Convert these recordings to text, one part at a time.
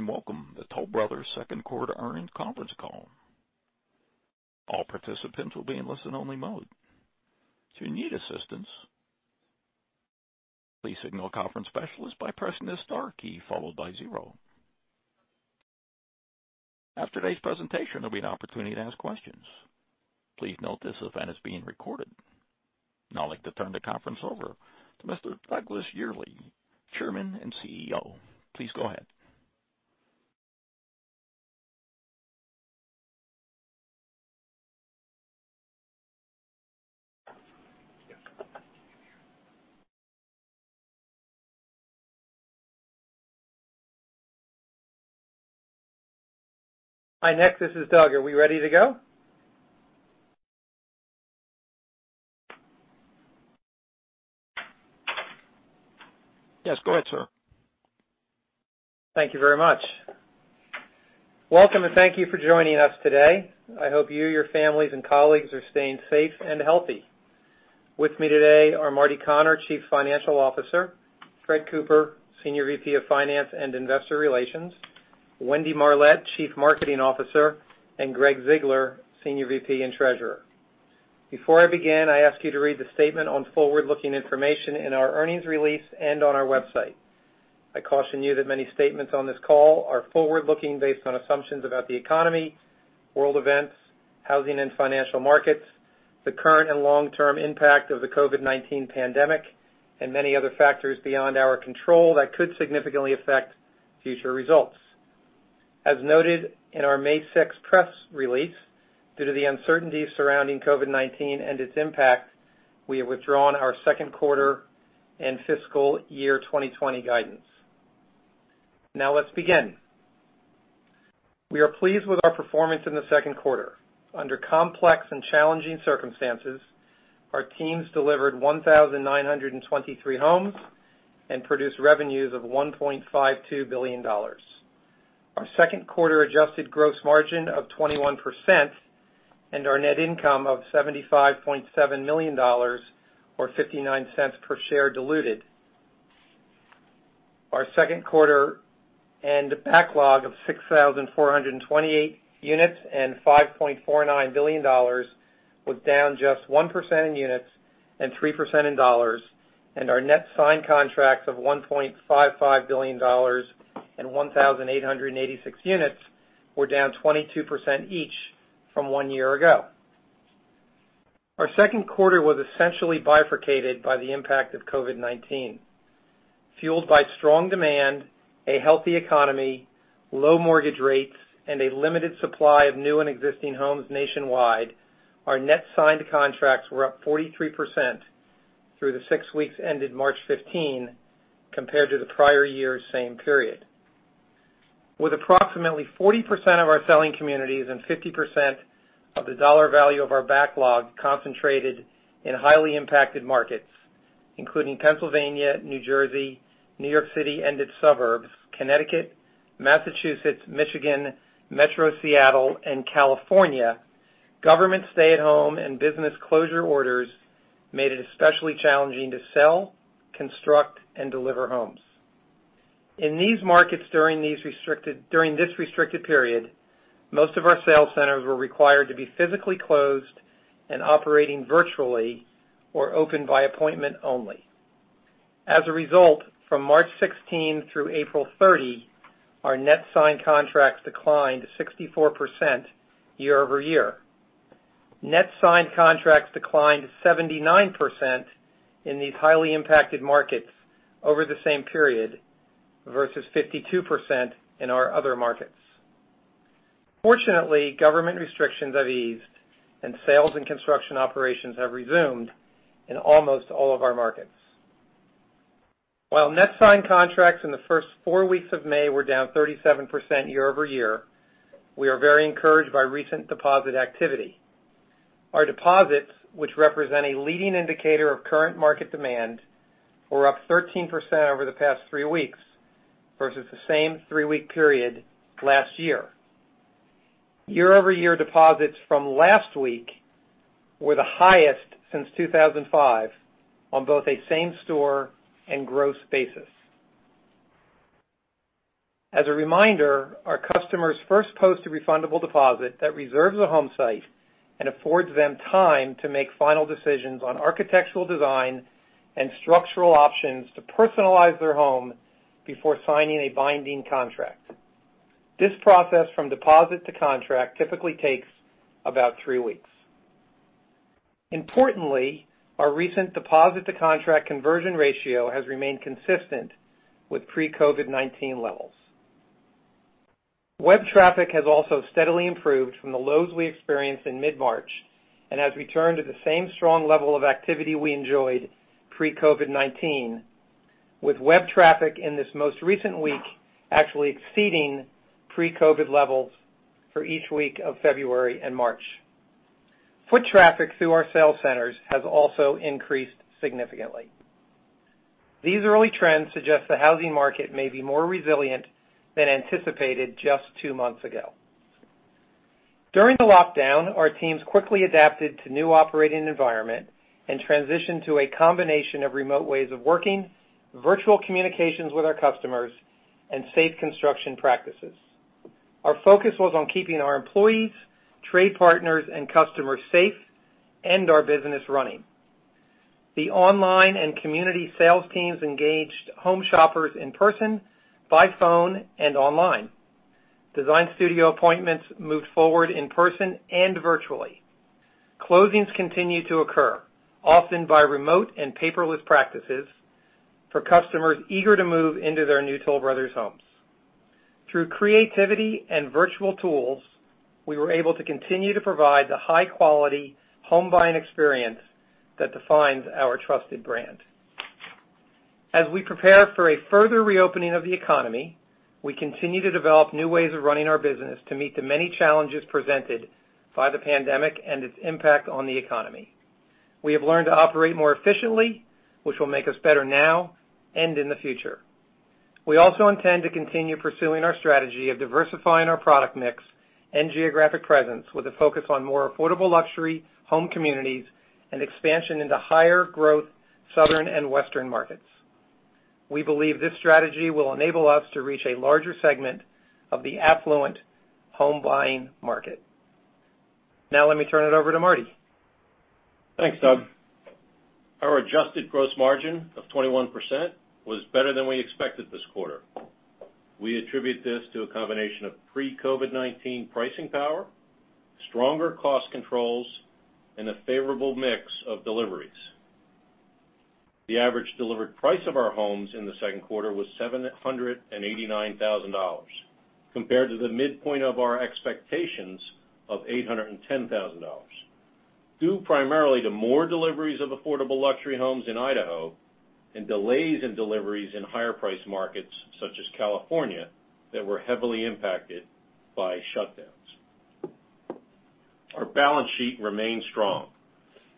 Good morning, and welcome to Toll Brothers' second quarter earnings conference call. All participants will be in listen-only mode. If you need assistance, please signal a conference specialist by pressing the star key followed by zero. After today's presentation, there'll be an opportunity to ask questions. Please note this event is being recorded. Now I'd like to turn the conference over to Mr. Douglas Yearley, Chairman and CEO. Please go ahead. Hi, Nick, this is Doug. Are we ready to go? Yes, go ahead, sir. Thank you very much. Welcome, and thank you for joining us today. I hope you, your families, and colleagues are staying safe and healthy. With me today are Marty Connor, Chief Financial Officer, Fred Cooper, Senior VP of Finance and Investor Relations, Wendy Marlett, Chief Marketing Officer, and Gregg Ziegler, Senior VP and Treasurer. Before I begin, I ask you to read the statement on forward-looking information in our earnings release and on our website. I caution you that many statements on this call are forward-looking based on assumptions about the economy, world events, housing and financial markets, the current and long-term impact of the COVID-19 pandemic, and many other factors beyond our control that could significantly affect future results. As noted in our May 6th press release, due to the uncertainty surrounding COVID-19 and its impact, we have withdrawn our second quarter and fiscal year 2020 guidance. Now let's begin. We are pleased with our performance in the second quarter. Under complex and challenging circumstances, our teams delivered 1,923 homes and produced revenues of $1.52 billion. Our second quarter adjusted gross margin of 21% and our net income of $75.7 million, or $0.59 per share diluted. Our second quarter end backlog of 6,428 units and $5.49 billion was down just 1% in units and 3% in dollars. Our net signed contracts of $1.55 billion and 1,886 units were down 22% each from one year ago. Our second quarter was essentially bifurcated by the impact of COVID-19. Fueled by strong demand, a healthy economy, low mortgage rates, and a limited supply of new and existing homes nationwide, our net signed contracts were up 43% through the six weeks ended March 15 compared to the prior year's same period. With approximately 40% of our selling communities and 50% of the dollar value of our backlog concentrated in highly impacted markets, including Pennsylvania, New Jersey, New York City and its suburbs, Connecticut, Massachusetts, Michigan, Metro Seattle, and California, government stay-at-home and business closure orders made it especially challenging to sell, construct, and deliver homes. In these markets during this restricted period, most of our sales centers were required to be physically closed and operating virtually or open by appointment only. As a result, from March 16 through April 30, our net signed contracts declined 64% year-over-year. Net signed contracts declined 79% in these highly impacted markets over the same period versus 52% in our other markets. Fortunately, government restrictions have eased, and sales and construction operations have resumed in almost all of our markets. While net signed contracts in the first four weeks of May were down 37% year-over-year, we are very encouraged by recent deposit activity. Our deposits, which represent a leading indicator of current market demand, were up 13% over the past three weeks versus the same three-week period last year. Year-over-year deposits from last week were the highest since 2005 on both a same-store and gross basis. As a reminder, our customers first post a refundable deposit that reserves a home site and affords them time to make final decisions on architectural design and structural options to personalize their home before signing a binding contract. This process from deposit to contract typically takes about three weeks. Importantly, our recent deposit-to-contract conversion ratio has remained consistent with pre-COVID-19 levels. Web traffic has also steadily improved from the lows we experienced in mid-March and has returned to the same strong level of activity we enjoyed pre-COVID-19, with web traffic in this most recent week actually exceeding pre-COVID levels for each week of February and March. Foot traffic through our sales centers has also increased significantly. These early trends suggest the housing market may be more resilient than anticipated just two months ago. During the lockdown, our teams quickly adapted to new operating environment and transitioned to a combination of remote ways of working, virtual communications with our customers, and safe construction practices. Our focus was on keeping our employees, trade partners, and customers safe, and our business running. The online and community sales teams engaged home shoppers in person, by phone, and online. Design studio appointments moved forward in person and virtually. Closings continued to occur, often by remote and paperless practices for customers eager to move into their new Toll Brothers homes. Through creativity and virtual tools, we were able to continue to provide the high-quality home buying experience that defines our trusted brand. As we prepare for a further reopening of the economy, we continue to develop new ways of running our business to meet the many challenges presented by the pandemic and its impact on the economy. We have learned to operate more efficiently, which will make us better now and in the future. We also intend to continue pursuing our strategy of diversifying our product mix and geographic presence with a focus on more affordable luxury home communities and expansion into higher growth Southern and Western markets. We believe this strategy will enable us to reach a larger segment of the affluent home buying market. Let me turn it over to Marty. Thanks, Doug. Our adjusted gross margin of 21% was better than we expected this quarter. We attribute this to a combination of pre-COVID-19 pricing power, stronger cost controls, and a favorable mix of deliveries. The average delivered price of our homes in the second quarter was $789,000, compared to the midpoint of our expectations of $810,000, due primarily to more deliveries of affordable luxury homes in Idaho and delays in deliveries in higher priced markets such as California that were heavily impacted by shutdowns. Our balance sheet remains strong.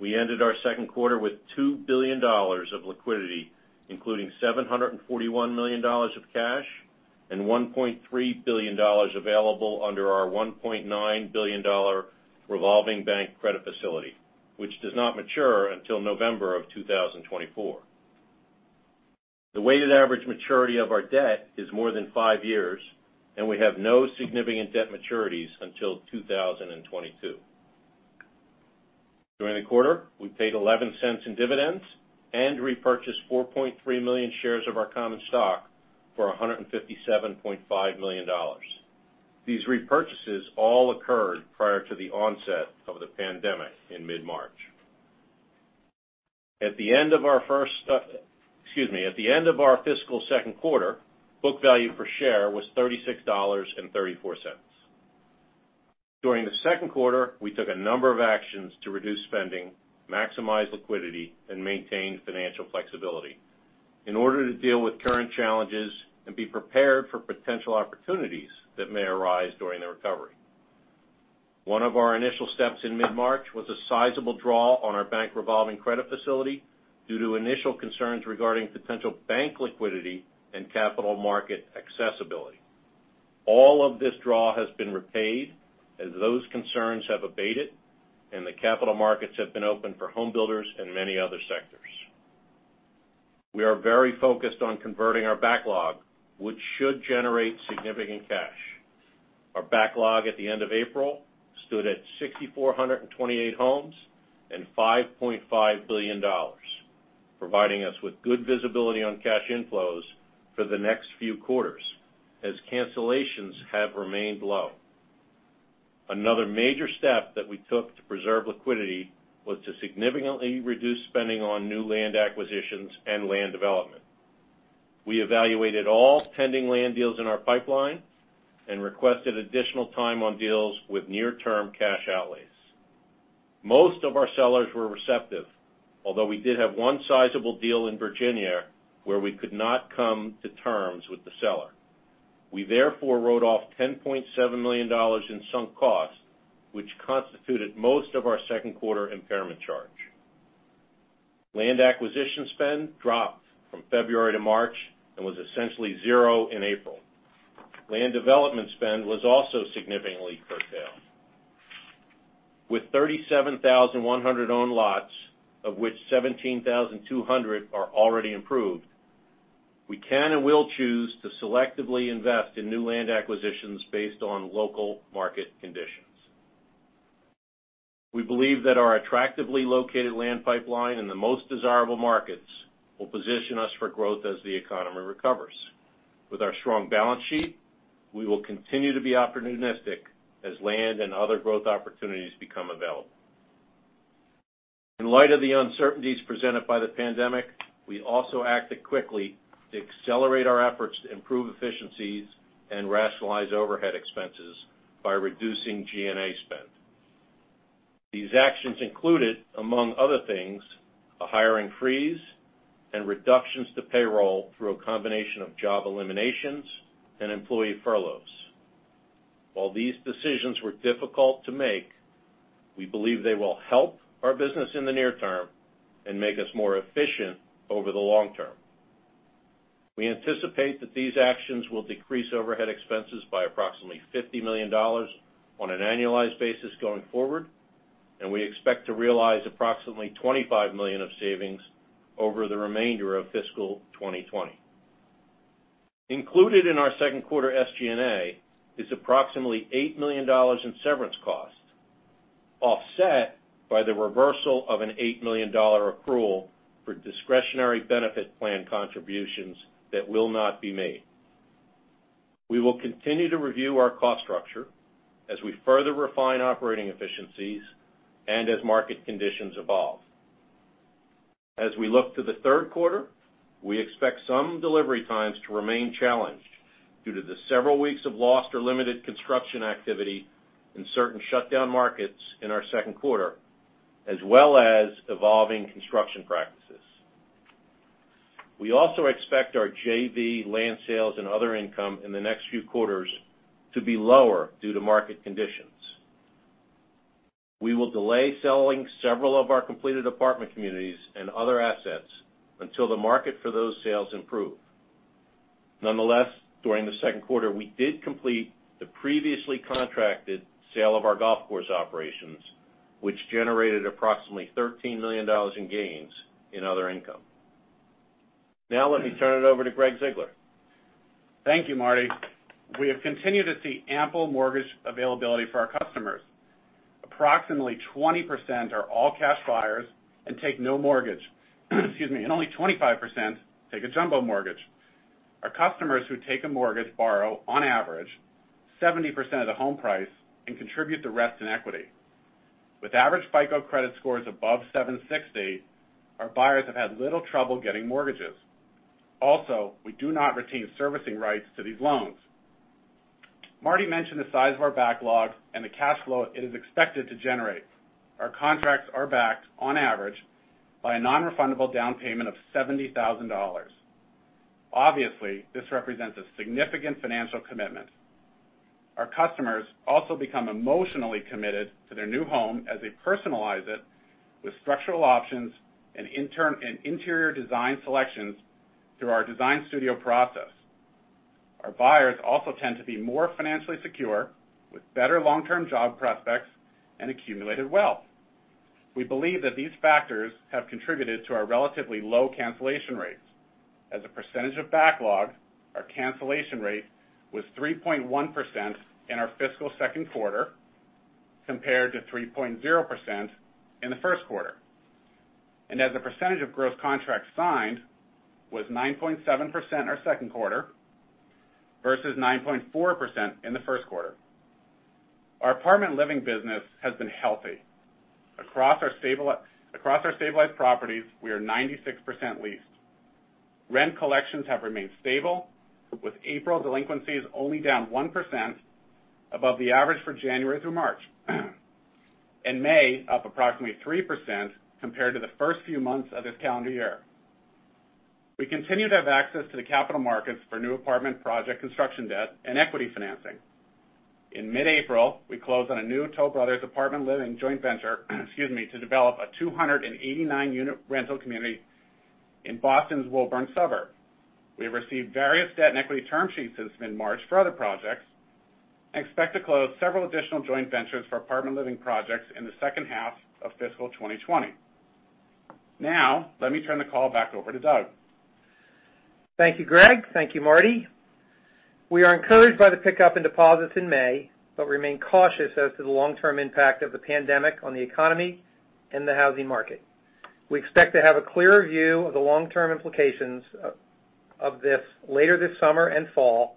We ended our second quarter with $2 billion of liquidity, including $741 million of cash and $1.3 billion available under our $1.9 billion revolving bank credit facility, which does not mature until November of 2024. The weighted average maturity of our debt is more than five years, and we have no significant debt maturities until 2022. During the quarter, we paid $0.11 in dividends and repurchased 4.3 million shares of our common stock for $157.5 million. These repurchases all occurred prior to the onset of the pandemic in mid-March. At the end of our fiscal second quarter, book value per share was $36.34. During the second quarter, we took a number of actions to reduce spending, maximize liquidity, and maintain financial flexibility in order to deal with current challenges and be prepared for potential opportunities that may arise during the recovery. One of our initial steps in mid-March was a sizable draw on our bank revolving credit facility due to initial concerns regarding potential bank liquidity and capital market accessibility. All of this draw has been repaid as those concerns have abated and the capital markets have been open for home builders and many other sectors. We are very focused on converting our backlog, which should generate significant cash. Our backlog at the end of April stood at 6,428 homes and $5.5 billion, providing us with good visibility on cash inflows for the next few quarters as cancellations have remained low. Another major step that we took to preserve liquidity was to significantly reduce spending on new land acquisitions and land development. We evaluated all pending land deals in our pipeline and requested additional time on deals with near-term cash outlays. Most of our sellers were receptive, although we did have one sizable deal in Virginia where we could not come to terms with the seller. We therefore wrote off $10.7 million in sunk costs, which constituted most of our second quarter impairment charge. Land acquisition spend dropped from February to March and was essentially zero in April. Land development spend was also significantly curtailed. With 37,100 owned lots, of which 17,200 are already improved, we can and will choose to selectively invest in new land acquisitions based on local market conditions. We believe that our attractively located land pipeline in the most desirable markets will position us for growth as the economy recovers. With our strong balance sheet, we will continue to be opportunistic as land and other growth opportunities become available. In light of the uncertainties presented by the pandemic, we also acted quickly to accelerate our efforts to improve efficiencies and rationalize overhead expenses by reducing G&A spend. These actions included, among other things, a hiring freeze and reductions to payroll through a combination of job eliminations and employee furloughs. While these decisions were difficult to make, we believe they will help our business in the near term and make us more efficient over the long term. We anticipate that these actions will decrease overhead expenses by approximately $50 million on an annualized basis going forward, and we expect to realize approximately $25 million of savings over the remainder of fiscal 2020. Included in our second quarter SG&A is approximately $8 million in severance costs, offset by the reversal of an $8 million accrual for discretionary benefit plan contributions that will not be made. We will continue to review our cost structure as we further refine operating efficiencies and as market conditions evolve. As we look to the third quarter, we expect some delivery times to remain challenged due to the several weeks of lost or limited construction activity in certain shutdown markets in our second quarter, as well as evolving construction practices. We also expect our JV land sales and other income in the next few quarters to be lower due to market conditions. We will delay selling several of our completed apartment communities and other assets until the market for those sales improve. Nonetheless, during the second quarter, we did complete the previously contracted sale of our golf course operations, which generated approximately $13 million in gains in other income. Now let me turn it over to Gregg Ziegler. Thank you, Marty. We have continued to see ample mortgage availability for our customers. Approximately 20% are all-cash buyers and take no mortgage. Excuse me. Only 25% take a jumbo mortgage. Our customers who take a mortgage borrow, on average, 70% of the home price and contribute the rest in equity. With average FICO credit scores above 760, our buyers have had little trouble getting mortgages. Also, we do not retain servicing rights to these loans. Marty mentioned the size of our backlog and the cash flow it is expected to generate. Our contracts are backed, on average, by a non-refundable down payment of $70,000. Obviously, this represents a significant financial commitment. Our customers also become emotionally committed to their new home as they personalize it with structural options and interior design selections through our design studio process. Our buyers also tend to be more financially secure, with better long-term job prospects and accumulated wealth. We believe that these factors have contributed to our relatively low cancellation rates. As a percentage of backlog, our cancellation rate was 3.1% in our fiscal second quarter, compared to 3.0% in the first quarter, and as a percentage of gross contracts signed, was 9.7% our second quarter versus 9.4% in the first quarter. Our Apartment Living business has been healthy. Across our stabilized properties, we are 96% leased. Rent collections have remained stable, with April delinquencies only down 1% above the average for January through March. In May, up approximately 3% compared to the first few months of this calendar year. We continue to have access to the capital markets for new apartment project construction debt and equity financing. In mid-April, we closed on a new Toll Brothers Apartment Living joint venture, to develop a 289-unit rental community in Boston's Woburn suburb. We have received various debt and equity term sheets since mid-March for other projects, and expect to close several additional joint ventures for Apartment Living projects in the second half of fiscal 2020. Now, let me turn the call back over to Doug. Thank you, Gregg. Thank you, Marty. We are encouraged by the pickup in deposits in May, but remain cautious as to the long-term impact of the pandemic on the economy and the housing market. We expect to have a clearer view of the long-term implications of this later this summer and fall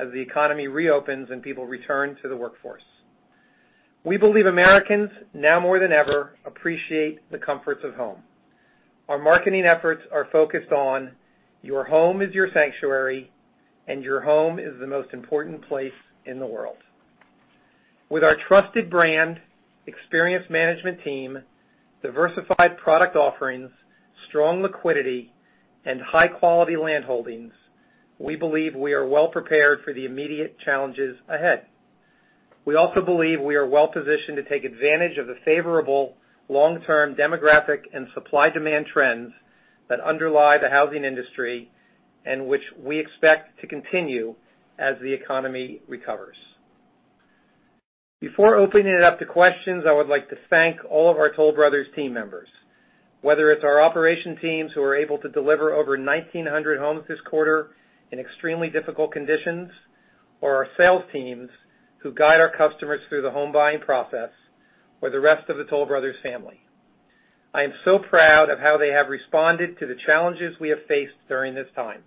as the economy reopens and people return to the workforce. We believe Americans, now more than ever, appreciate the comforts of home. Our marketing efforts are focused on your home is your sanctuary, and your home is the most important place in the world. With our trusted brand, experienced management team, diversified product offerings, strong liquidity, and high-quality land holdings, we believe we are well-prepared for the immediate challenges ahead. We also believe we are well-positioned to take advantage of the favorable long-term demographic and supply-demand trends that underlie the housing industry, which we expect to continue as the economy recovers. Before opening it up to questions, I would like to thank all of our Toll Brothers team members, whether it's our operation teams who are able to deliver over 1,900 homes this quarter in extremely difficult conditions, or our sales teams who guide our customers through the home buying process, or the rest of the Toll Brothers family. I am so proud of how they have responded to the challenges we have faced during this time.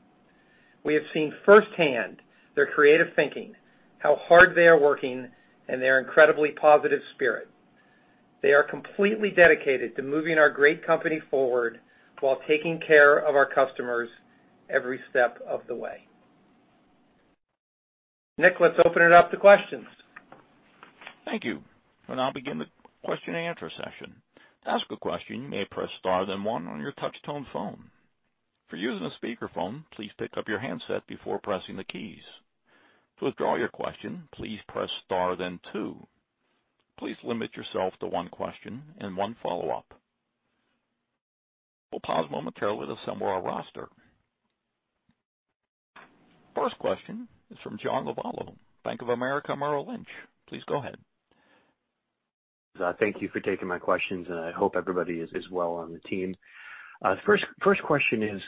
We have seen firsthand their creative thinking, how hard they are working, and their incredibly positive spirit. They are completely dedicated to moving our great company forward while taking care of our customers every step of the way. Nick, let's open it up to questions. Thank you. We'll now begin the question-and-answer session. To ask a question, you may press star, then one on your touch tone phone. If you're using a speakerphone, please pick up your handset before pressing the keys. To withdraw your question, please press star, then two. Please limit yourself to one question and one follow-up. We'll pause momentarily to assemble our roster. First question is from John Lovallo, Bank of America Merrill Lynch. Please go ahead. Thank you for taking my questions, and I hope everybody is well on the team. First question is,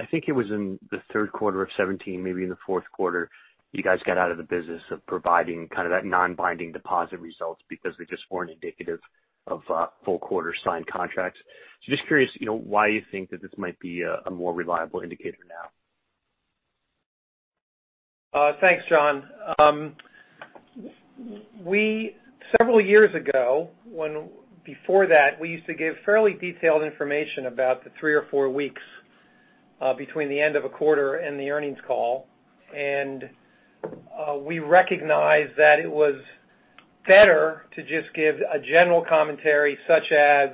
I think it was in the third quarter of 2017, maybe in the fourth quarter, you guys got out of the business of providing that non-binding deposit results because they just weren't indicative of full quarter signed contracts. Just curious, why you think that this might be a more reliable indicator now? Thanks, John. Several years ago, before that, we used to give fairly detailed information about the three or four weeks between the end of a quarter and the earnings call. We recognized that it was better to just give a general commentary such as,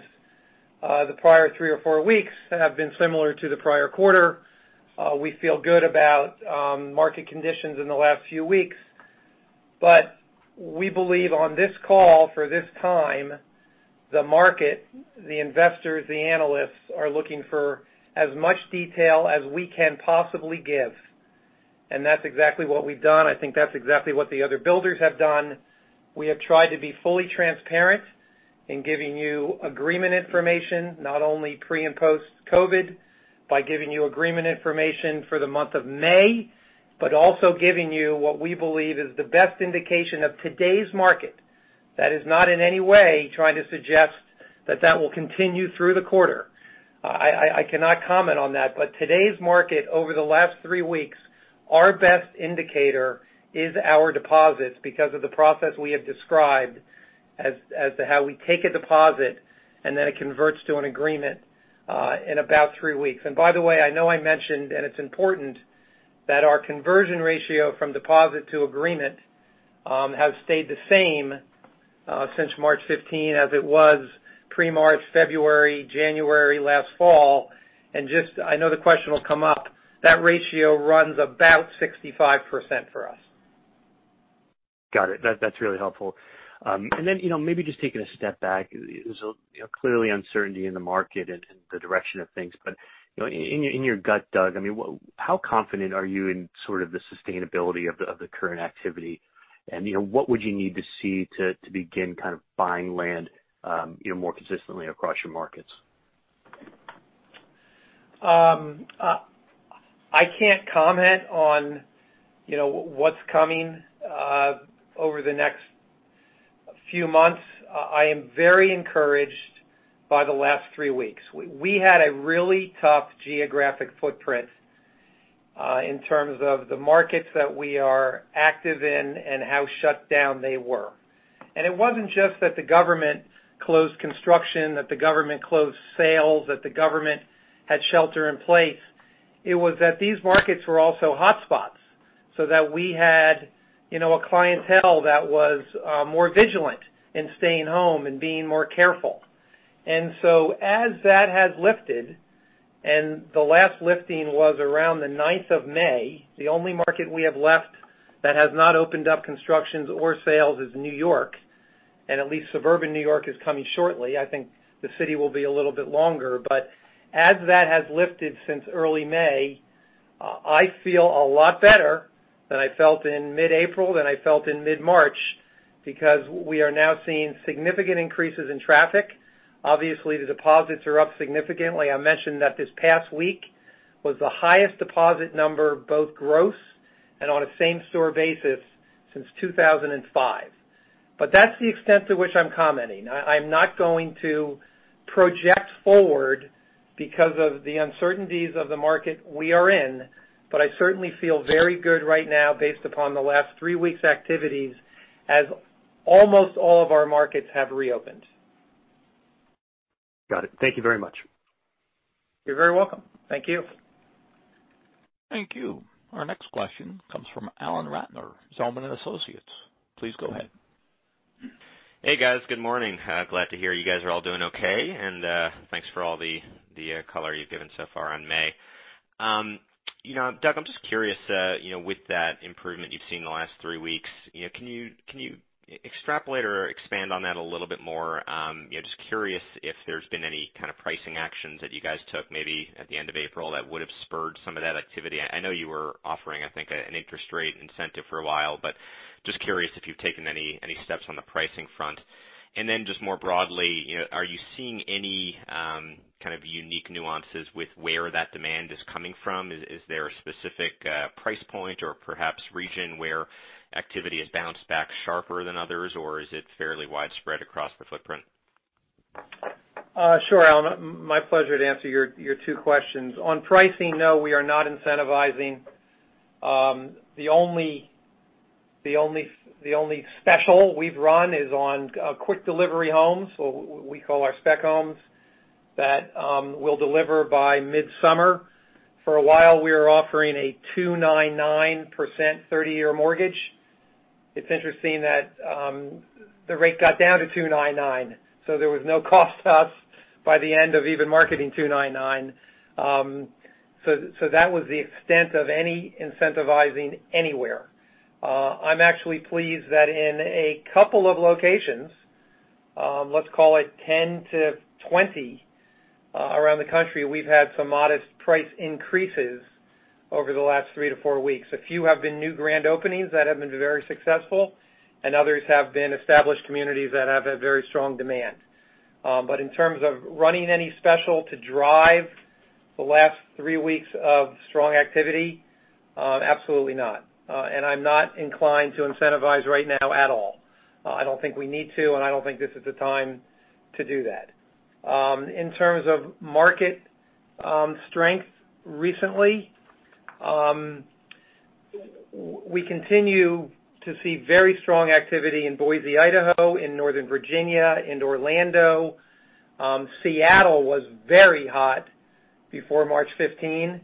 the prior three or four weeks have been similar to the prior quarter. We feel good about market conditions in the last few weeks. We believe on this call for this time, the market, the investors, the analysts, are looking for as much detail as we can possibly give, and that's exactly what we've done. I think that's exactly what the other builders have done. We have tried to be fully transparent in giving you agreement information, not only pre and post-COVID-19, by giving you agreement information for the month of May, but also giving you what we believe is the best indication of today's market. That is not in any way trying to suggest that that will continue through the quarter. I cannot comment on that. Today's market, over the last three weeks, our best indicator is our deposits because of the process we have described as to how we take a deposit and then it converts to an agreement in about three weeks. By the way, I know I mentioned, and it's important, that our conversion ratio from deposit to agreement, has stayed the same, since March 15 as it was pre-March, February, January last fall, and just, I know the question will come up, that ratio runs about 65% for us. Got it. That's really helpful. Maybe just taking a step back, there's clearly uncertainty in the market and the direction of things, but in your gut, Doug, how confident are you in sort of the sustainability of the current activity, and what would you need to see to begin kind of buying land more consistently across your markets? I can't comment on what's coming over the next few months. I am very encouraged by the last three weeks. We had a really tough geographic footprint in terms of the markets that we are active in and how shut down they were. It wasn't just that the government closed construction, that the government closed sales, that the government had shelter in place. It was that these markets were also hotspots, so that we had a clientele that was more vigilant in staying home and being more careful. As that has lifted, and the last lifting was around the 9th of May, the only market we have left that has not opened up constructions or sales is New York, and at least suburban New York is coming shortly. I think the city will be a little bit longer. As that has lifted since early May, I feel a lot better than I felt in mid-April, than I felt in mid-March, because we are now seeing significant increases in traffic. Obviously, the deposits are up significantly. I mentioned that this past week was the highest deposit number, both gross and on a same-store basis since 2005. That's the extent to which I'm commenting. I am not going to project forward because of the uncertainties of the market we are in, but I certainly feel very good right now based upon the last three weeks' activities as almost all of our markets have reopened. Got it. Thank you very much. You're very welcome. Thank you. Thank you. Our next question comes from Alan Ratner, Zelman & Associates. Please go ahead. Hey, guys. Good morning. Glad to hear you guys are all doing okay. Thanks for all the color you've given so far on May. Doug, I'm just curious, with that improvement you've seen in the last three weeks, can you extrapolate or expand on that a little bit more? Just curious if there's been any kind of pricing actions that you guys took maybe at the end of April that would have spurred some of that activity. I know you were offering, I think, an interest rate incentive for a while. Just curious if you've taken any steps on the pricing front. Then just more broadly, are you seeing any kind of unique nuances with where that demand is coming from? Is there a specific price point or perhaps region where activity has bounced back sharper than others, or is it fairly widespread across the footprint? Sure, Alan. My pleasure to answer your two questions. Pricing, no, we are not incentivizing. The only special we've run is on quick delivery homes, what we call our spec homes, that we'll deliver by midsummer. For a while, we were offering a 2.99% 30-year mortgage. It's interesting that the rate got down to 2.99%, there was no cost to us by the end of even marketing 2.99%. That was the extent of any incentivizing anywhere. I'm actually pleased that in a couple of locations, let's call it 10 to 20 around the country, we've had some modest price increases over the last three to four weeks. A few have been new grand openings that have been very successful, others have been established communities that have a very strong demand. In terms of running any special to drive the last three weeks of strong activity, absolutely not. I'm not inclined to incentivize right now at all. I don't think we need to, and I don't think this is the time to do that. In terms of market strength recently, we continue to see very strong activity in Boise, Idaho, in northern Virginia, in Orlando. Seattle was very hot before March 15,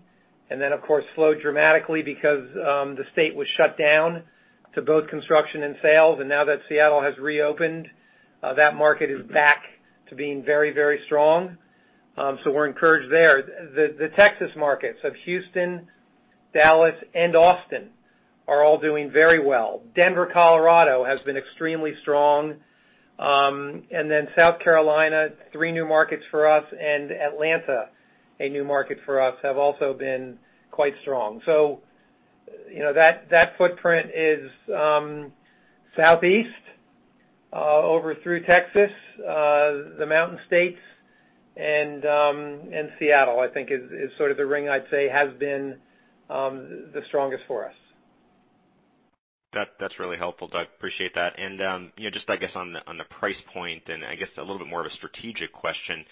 and then, of course, slowed dramatically because the state was shut down to both construction and sales. Now that Seattle has reopened, that market is back to being very, very strong. We're encouraged there. The Texas markets of Houston, Dallas, and Austin are all doing very well. Denver, Colorado, has been extremely strong. South Carolina, three new markets for us, and Atlanta, a new market for us, have also been quite strong. That footprint is, Southeast, over through Texas, the Mountain States and, Seattle, I think is sort of the ring I'd say has been the strongest for us. That's really helpful, Doug. Appreciate that. Just I guess on the price point and I guess a little bit more of a strategic question,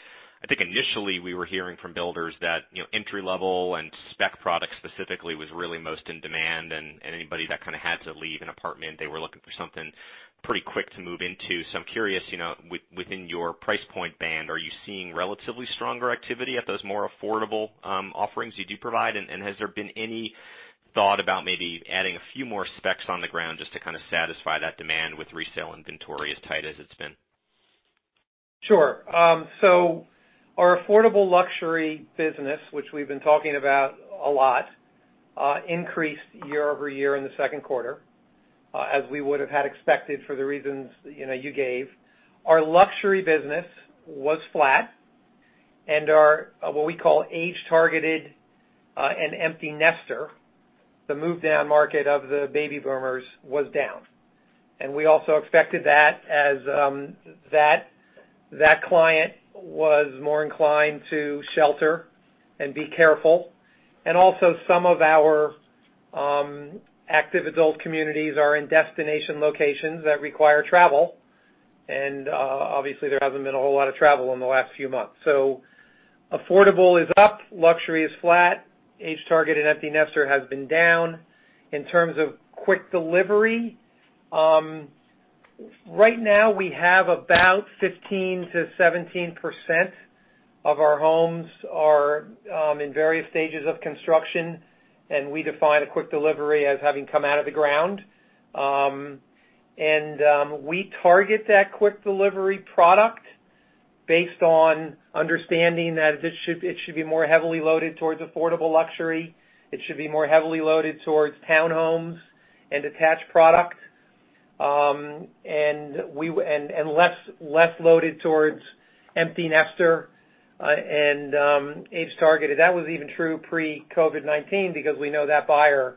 I think initially we were hearing from builders that entry-level and spec product specifically was really most in demand. Anybody that kind of had to leave an apartment, they were looking for something pretty quick to move into. I'm curious, within your price point band, are you seeing relatively stronger activity at those more affordable offerings you do provide? Has there been any thought about maybe adding a few more specs on the ground just to kind of satisfy that demand with resale inventory as tight as it's been? Sure. Our affordable luxury business, which we've been talking about a lot, increased year-over-year in the second quarter, as we would have had expected for the reasons you gave. Our luxury business was flat, and our, what we call age-targeted and empty nester, the move-down market of the baby boomers was down. We also expected that as that client was more inclined to shelter and be careful. Also some of our active adult communities are in destination locations that require travel. Obviously there hasn't been a whole lot of travel in the last few months. Affordable is up, luxury is flat. Age-targeted empty nester has been down. In terms of quick delivery, right now we have about 15%-17% of our homes are in various stages of construction, and we define a quick delivery as having come out of the ground. We target that quick delivery product based on understanding that it should be more heavily loaded towards affordable luxury. It should be more heavily loaded towards town homes and attached product, and less loaded towards empty nester and age-targeted. That was even true pre-COVID-19 because we know that buyer,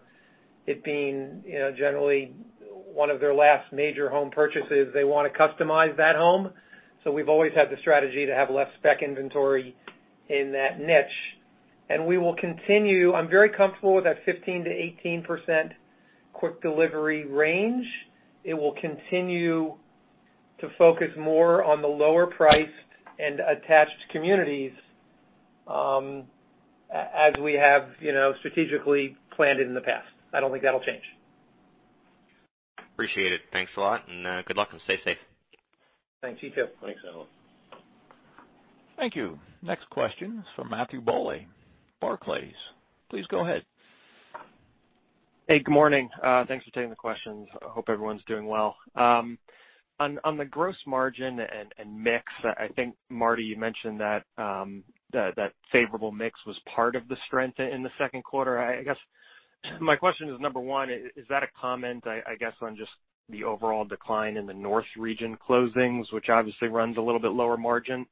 it being generally one of their last major home purchases, they want to customize that home. We've always had the strategy to have less spec inventory in that niche. We will continue. I'm very comfortable with that 15%-18% quick delivery range. It will continue to focus more on the lower priced and attached communities, as we have strategically planned it in the past. I don't think that'll change. Appreciate it. Thanks a lot, and good luck and stay safe. Thanks, you too. Thanks, Alan. Thank you. Next question is from Matthew Bouley, Barclays. Please go ahead. Hey, good morning. Thanks for taking the questions. I hope everyone's doing well. On the gross margin and mix, I think, Marty, you mentioned that favorable mix was part of the strength in the second quarter. I guess my question is, number one, is that a comment, I guess, on just the overall decline in the north region closings, which obviously runs a little bit lower margin?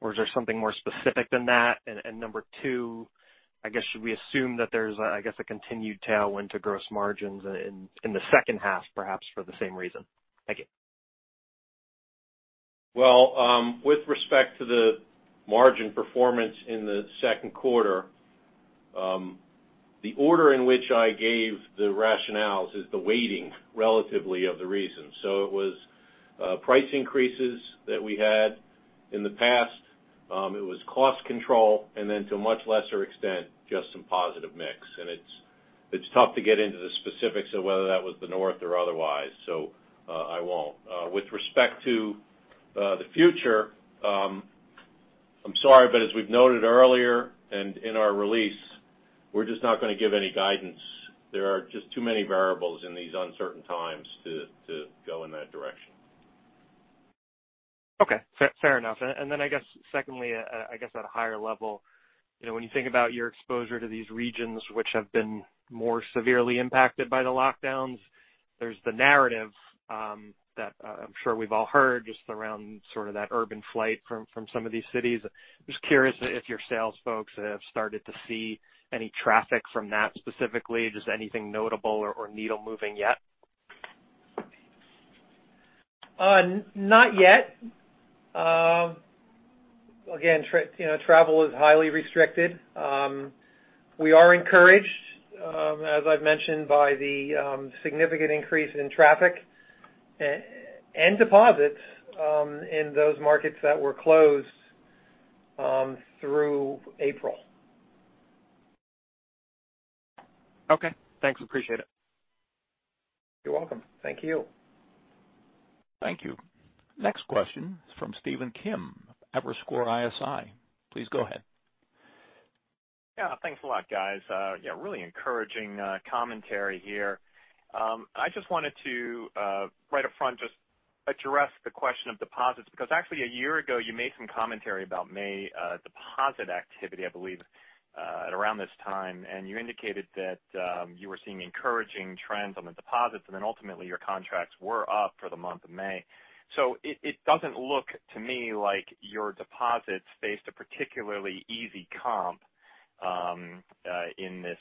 Or is there something more specific than that? Number two, I guess, should we assume that there's a continued tailwind to gross margins in the second half, perhaps for the same reason? Thank you. Well, with respect to the margin performance in the second quarter, the order in which I gave the rationales is the weighting relatively of the reasons. It was price increases that we had in the past. It was cost control and then to a much lesser extent, just some positive mix. It's tough to get into the specifics of whether that was the North or otherwise. I won't. With respect to the future, I'm sorry, as we've noted earlier and in our release. We're just not going to give any guidance. There are just too many variables in these uncertain times to go in that direction. Okay, fair enough. Then I guess secondly, I guess at a higher level, when you think about your exposure to these regions which have been more severely impacted by the lockdowns, there's the narrative that I'm sure we've all heard just around sort of that urban flight from some of these cities. Just curious if your sales folks have started to see any traffic from that specifically. Just anything notable or needle moving yet? Not yet. Travel is highly restricted. We are encouraged, as I've mentioned, by the significant increase in traffic and deposits in those markets that were closed through April. Okay, thanks. Appreciate it. You're welcome. Thank you. Thank you. Next question is from Stephen Kim, Evercore ISI. Please go ahead. Yeah. Thanks a lot, guys. Yeah, really encouraging commentary here. I just wanted to, right up front, just address the question of deposits because actually, a year ago, you made some commentary about May deposit activity, I believe, at around this time. You indicated that you were seeing encouraging trends on the deposits, ultimately, your contracts were up for the month of May. It doesn't look to me like your deposits faced a particularly easy comp in this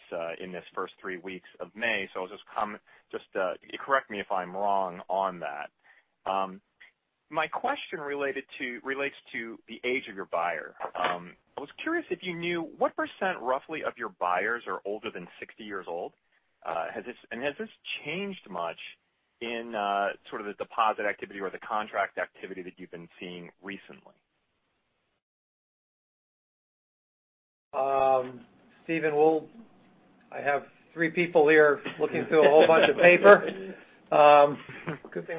first three weeks of May. I'll just correct me if I'm wrong on that. My question relates to the age of your buyer. I was curious if you knew, what % roughly of your buyers are older than 60 years old? Has this changed much in sort of the deposit activity or the contract activity that you've been seeing recently? Stephen, I have three people here looking through a whole bunch of paper. Good thing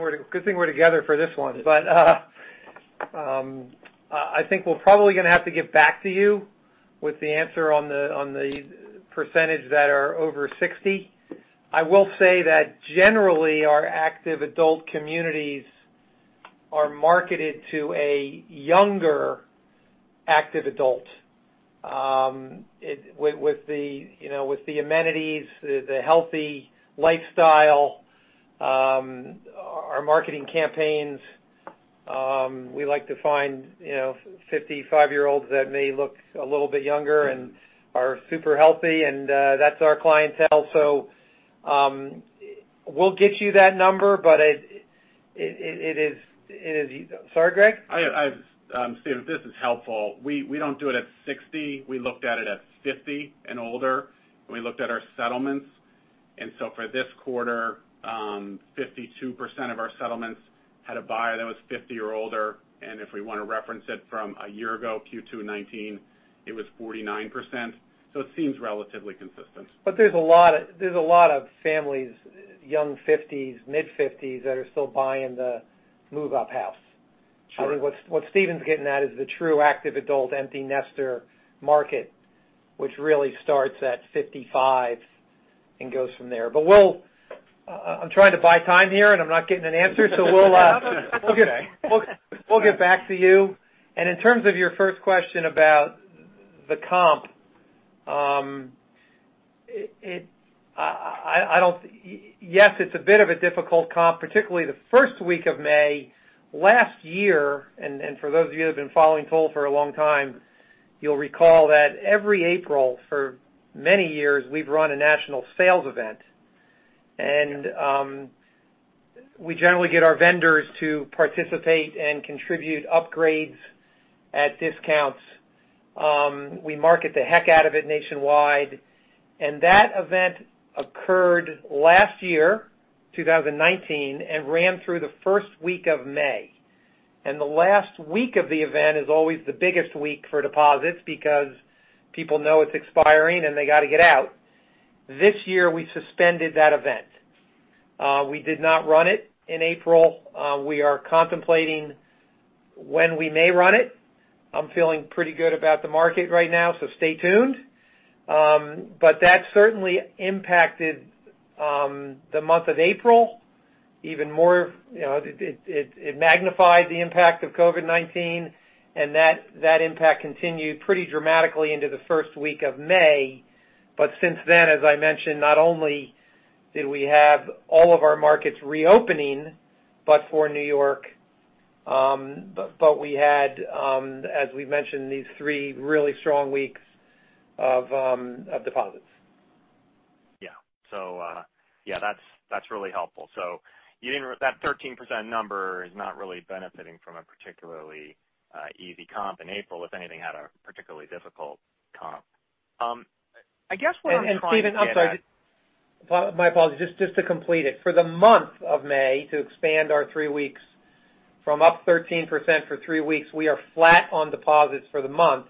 we're together for this one. I think we're probably going to have to get back to you with the answer on the percentage that are over 60. I will say that generally, our active adult communities are marketed to a younger active adult. With the amenities, the healthy lifestyle, our marketing campaigns, we like to find 55-year-olds that may look a little bit younger and are super healthy, and that's our clientele. We'll get you that number, but, sorry, Gregg? Stephen, this is helpful. We don't do it at 60. We looked at it at 50 and older, and we looked at our settlements. For this quarter, 52% of our settlements had a buyer that was 50 or older. If we want to reference it from a year ago, Q2 2019, it was 49%. It seems relatively consistent. There's a lot of families, young 50s, mid 50s, that are still buying the move-up house. Sure. I think what Stephen's getting at is the true active adult, empty nester market, which really starts at 55 and goes from there. I'm trying to buy time here, and I'm not getting an answer, so we'll get back to you. In terms of your first question about the comp, yes, it's a bit of a difficult comp, particularly the first week of May. Last year, and for those of you that have been following Toll Brothers for a long time, you'll recall that every April for many years, we've run a national sales event. We generally get our vendors to participate and contribute upgrades at discounts. We market the heck out of it nationwide. That event occurred last year, 2019, and ran through the first week of May. The last week of the event is always the biggest week for deposits because people know it's expiring, and they got to get out. This year, we suspended that event. We did not run it in April. We are contemplating when we may run it. I'm feeling pretty good about the market right now, so stay tuned. That certainly impacted the month of April even more. It magnified the impact of COVID-19, and that impact continued pretty dramatically into the first week of May. Since then, as I mentioned, not only did we have all of our markets reopening, but for New York, but we had, as we've mentioned, these three really strong weeks of deposits. Yeah. Yeah, that's really helpful. That 13% number is not really benefiting from a particularly easy comp in April. If anything, had a particularly difficult comp. I guess what I'm trying to get at. Stephen, I'm sorry. My apologies. Just to complete it. For the month of May, to expand our three weeks from up 13% for three weeks, we are flat on deposits for the month,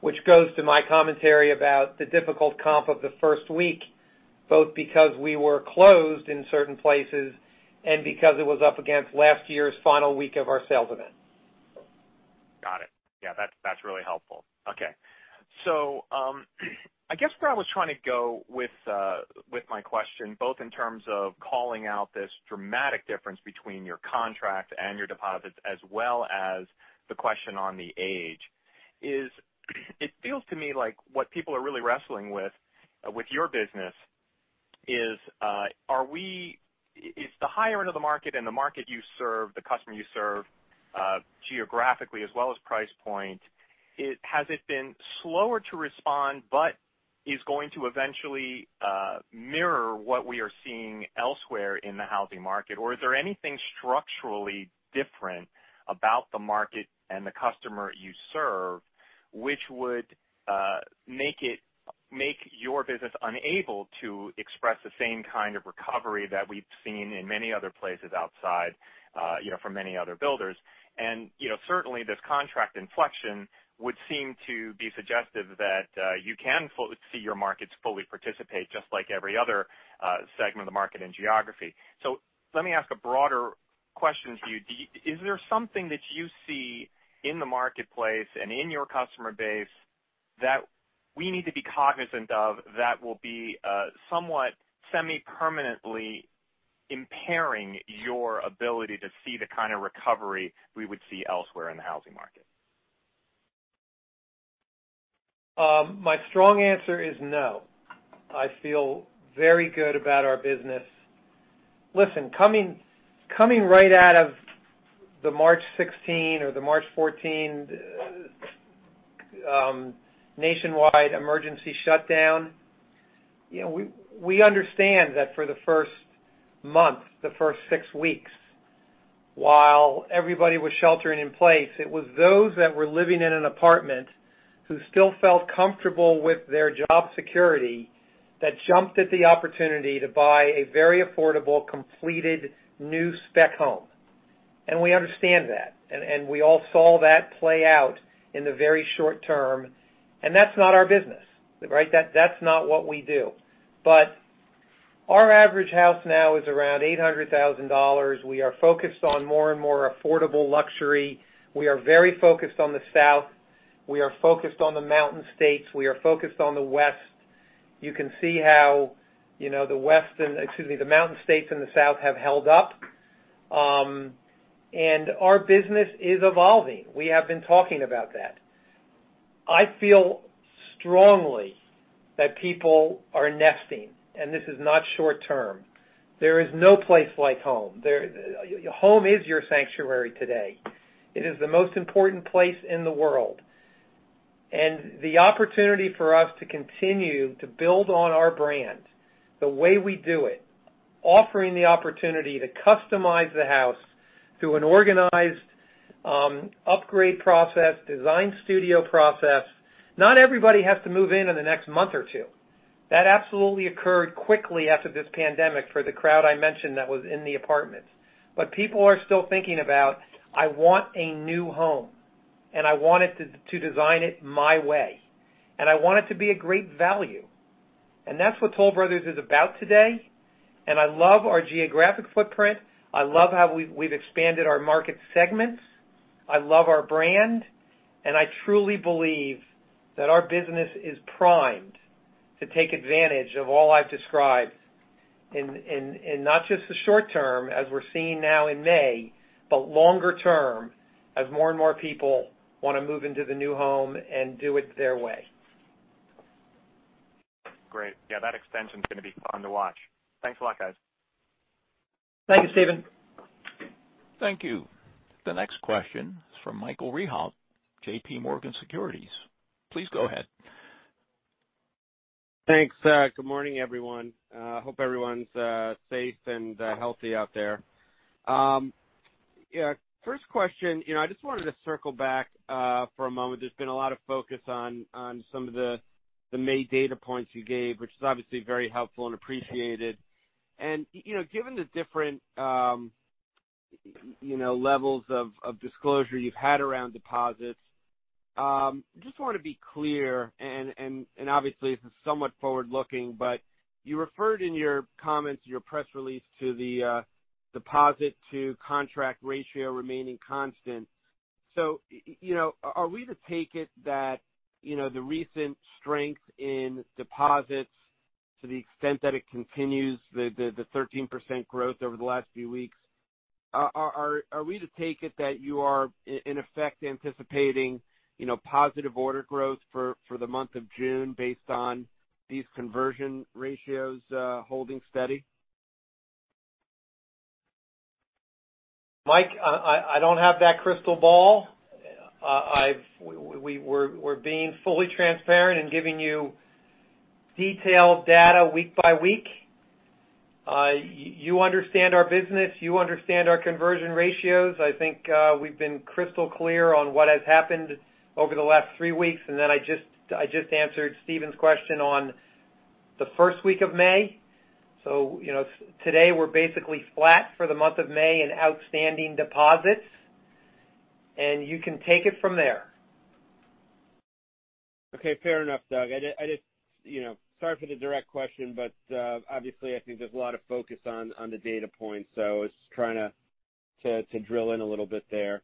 which goes to my commentary about the difficult comp of the first week, both because we were closed in certain places and because it was up against last year's final week of our sales event. Got it. Yeah, that's really helpful. Okay. I guess where I was trying to go with my question, both in terms of calling out this dramatic difference between your contract and your deposits, as well as the question on the age, is it feels to me like what people are really wrestling with your business is the higher end of the market and the market you serve, the customer you serve, geographically as well as price point, has it been slower to respond, but is going to eventually mirror what we are seeing elsewhere in the housing market? Is there anything structurally different about the market and the customer you serve, which would make your business unable to express the same kind of recovery that we've seen in many other places outside from many other builders? Certainly, this contract inflection would seem to be suggestive that you can see your markets fully participate just like every other segment of the market and geography. Let me ask a broader question to you. Is there something that you see in the marketplace and in your customer base that we need to be cognizant of that will be somewhat semi-permanently impairing your ability to see the kind of recovery we would see elsewhere in the housing market? My strong answer is no. I feel very good about our business. Listen, coming right out of the March 16 or the March 14 nationwide emergency shutdown, we understand that for the first month, the first six weeks, while everybody was sheltering in place, it was those that were living in an apartment who still felt comfortable with their job security that jumped at the opportunity to buy a very affordable, completed new spec home. We understand that, and we all saw that play out in the very short term, and that's not our business, right? That's not what we do. Our average house now is around $800,000. We are focused on more and more affordable luxury. We are very focused on the South. We are focused on the mountain states. We are focused on the West. You can see how the mountain states and the South have held up. Our business is evolving. We have been talking about that. I feel strongly that people are nesting, and this is not short term. There is no place like home. Home is your sanctuary today. It is the most important place in the world, and the opportunity for us to continue to build on our brand the way we do it, offering the opportunity to customize the house through an organized upgrade process, design studio process. Not everybody has to move in in the next month or two. That absolutely occurred quickly after this pandemic for the crowd I mentioned that was in the apartments. People are still thinking about, I want a new home, and I want to design it my way, and I want it to be a great value. That's what Toll Brothers is about today, and I love our geographic footprint. I love how we've expanded our market segments. I love our brand, and I truly believe that our business is primed to take advantage of all I've described in not just the short term, as we're seeing now in May, but longer term, as more and more people want to move into the new home and do it their way. Great. Yeah, that extension is going to be fun to watch. Thanks a lot, guys. Thank you, Stephen. Thank you. The next question is from Michael Rehaut, JPMorgan Securities. Please go ahead. Thanks. Good morning, everyone. Hope everyone's safe and healthy out there. First question, I just wanted to circle back for a moment. There's been a lot of focus on some of the May data points you gave, which is obviously very helpful and appreciated. Given the different levels of disclosure you've had around deposits, just want to be clear, and obviously this is somewhat forward-looking, but you referred in your comments in your press release to the deposit to contract ratio remaining constant. Are we to take it that the recent strength in deposits to the extent that it continues the 13% growth over the last few weeks, are we to take it that you are, in effect, anticipating positive order growth for the month of June based on these conversion ratios holding steady? Mike, I don't have that crystal ball. We're being fully transparent and giving you detailed data week by week. You understand our business, you understand our conversion ratios. I think we've been crystal clear on what has happened over the last three weeks, and then I just answered Stephen's question on the first week of May. Today we're basically flat for the month of May in outstanding deposits, and you can take it from there. Okay, fair enough, Doug. Sorry for the direct question, but, obviously, I think there's a lot of focus on the data points, so I was just trying to drill in a little bit there.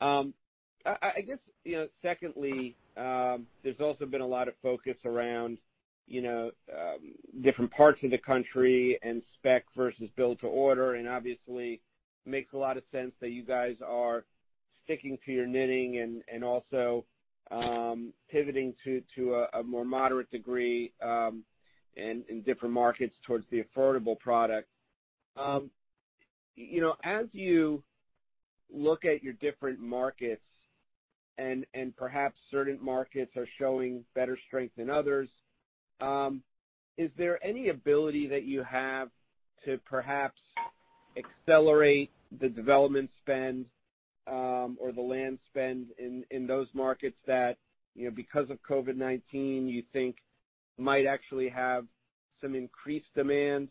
I guess, secondly, there's also been a lot of focus around different parts of the country and spec versus build to order, and obviously makes a lot of sense that you guys are sticking to your knitting and also pivoting to a more moderate degree, in different markets towards the affordable product. As you look at your different markets, and perhaps certain markets are showing better strength than others, is there any ability that you have to perhaps accelerate the development spend, or the land spend in those markets that, because of COVID-19, you think might actually have some increased demand?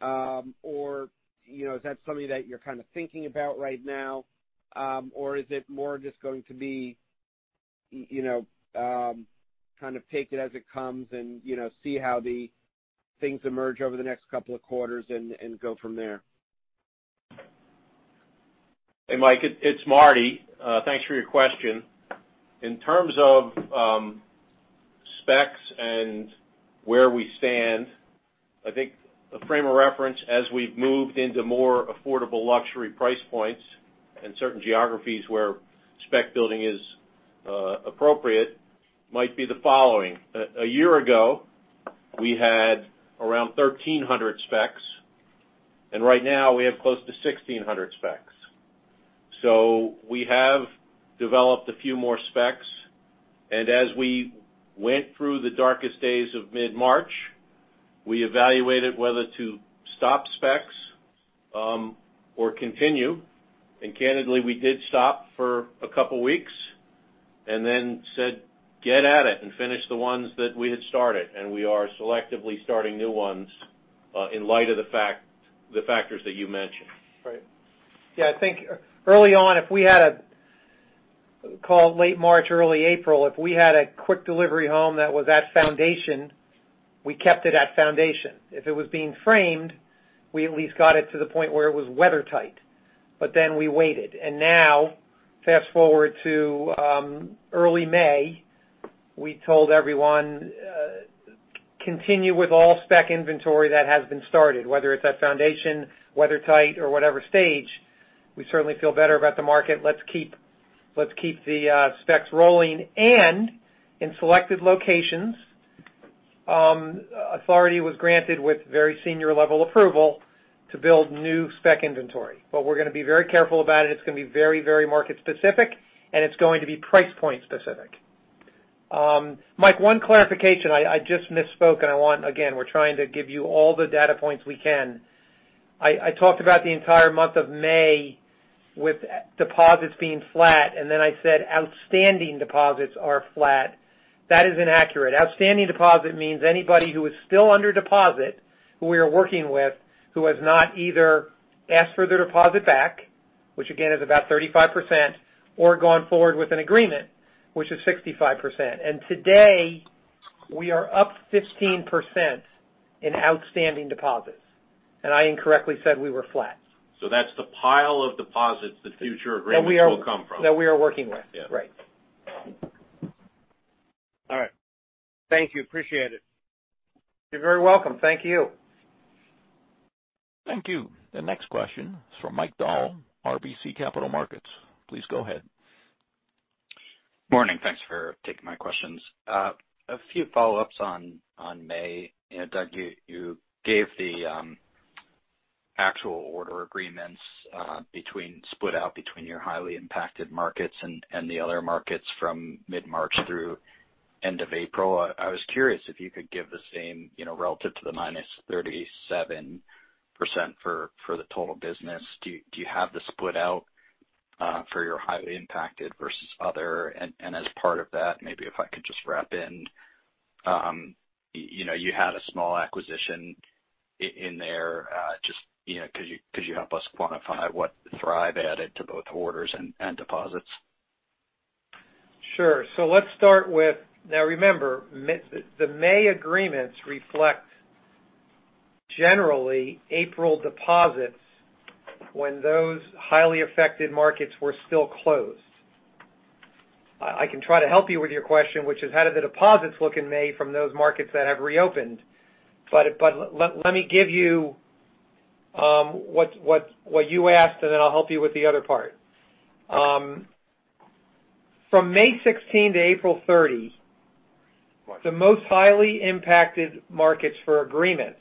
Is that something that you're kind of thinking about right now? Is it more just going to be, kind of take it as it comes and see how the things emerge over the next couple of quarters and go from there? Hey, Mike, it's Marty. Thanks for your question. In terms of specs and where we stand, I think a frame of reference as we've moved into more affordable luxury price points and certain geographies where spec building is appropriate might be the following. A year ago, we had around 1,300 specs, and right now we have close to 1,600 specs. We have developed a few more specs, and as we went through the darkest days of mid-March, we evaluated whether to stop specs, or continue. Candidly, we did stop for a couple of weeks and then said, "Get at it, and finish the ones that we had started." We are selectively starting new ones, in light of the factors that you mentioned. Right. Yeah, I think early on, call it late March, early April, if we had a quick delivery home that was at foundation, we kept it at foundation. If it was being framed, we at least got it to the point where it was weathertight, but then we waited. Now fast-forward to early May, we told everyone, continue with all spec inventory that has been started, whether it's at foundation, weathertight, or whatever stage. We certainly feel better about the market. Let's keep the specs rolling. In selected locations, authority was granted with very senior-level approval to build new spec inventory. We're going to be very careful about it. It's going to be very market specific, and it's going to be price point specific. Mike, one clarification. I just misspoke, and again, we're trying to give you all the data points we can. I talked about the entire month of May with deposits being flat. I said outstanding deposits are flat. That is inaccurate. Outstanding deposit means anybody who is still under deposit, who we are working with, who has not either asked for their deposit back, which again is about 35%, or gone forward with an agreement, which is 65%. Today, we are up 15% in outstanding deposits, and I incorrectly said we were flat. That's the pile of deposits that future agreements will come from. That we are working with. Yeah. Right. All right. Thank you. Appreciate it. You're very welcome. Thank you. Thank you. The next question is from Mike Dahl, RBC Capital Markets. Please go ahead. Morning. Thanks for taking my questions. A few follow-ups on May. Doug, you gave the actual order agreements, split out between your highly impacted markets and the other markets from mid-March through end of April. I was curious if you could give the same, relative to the -37% for the total business. Do you have the split out, for your highly impacted versus other? As part of that, maybe if I could just wrap in, you had a small acquisition in there. Could you help us quantify what Thrive added to both orders and deposits? Sure. Let's start with Now, remember, the May agreements reflect generally April deposits when those highly affected markets were still closed. I can try to help you with your question, which is how do the deposits look in May from those markets that have reopened. Let me give you what you asked, and then I'll help you with the other part. From May 16 to April 30, the most highly impacted markets for agreements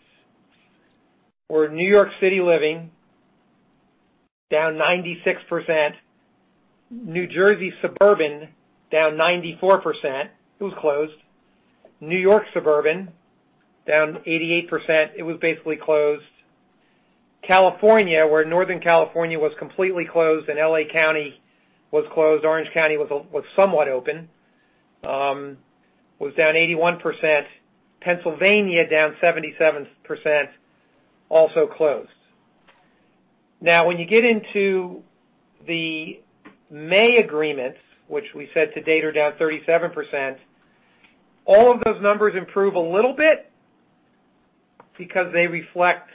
were New York City Living, down 96%, New Jersey Suburban down 94%, it was closed. New York Suburban down 88%, it was basically closed. California, where Northern California was completely closed and L.A. County was closed, Orange County was somewhat open, was down 81%. Pennsylvania, down 77%, also closed. When you get into the May agreements, which we said to date are down 37%, all of those numbers improve a little bit because they reflect,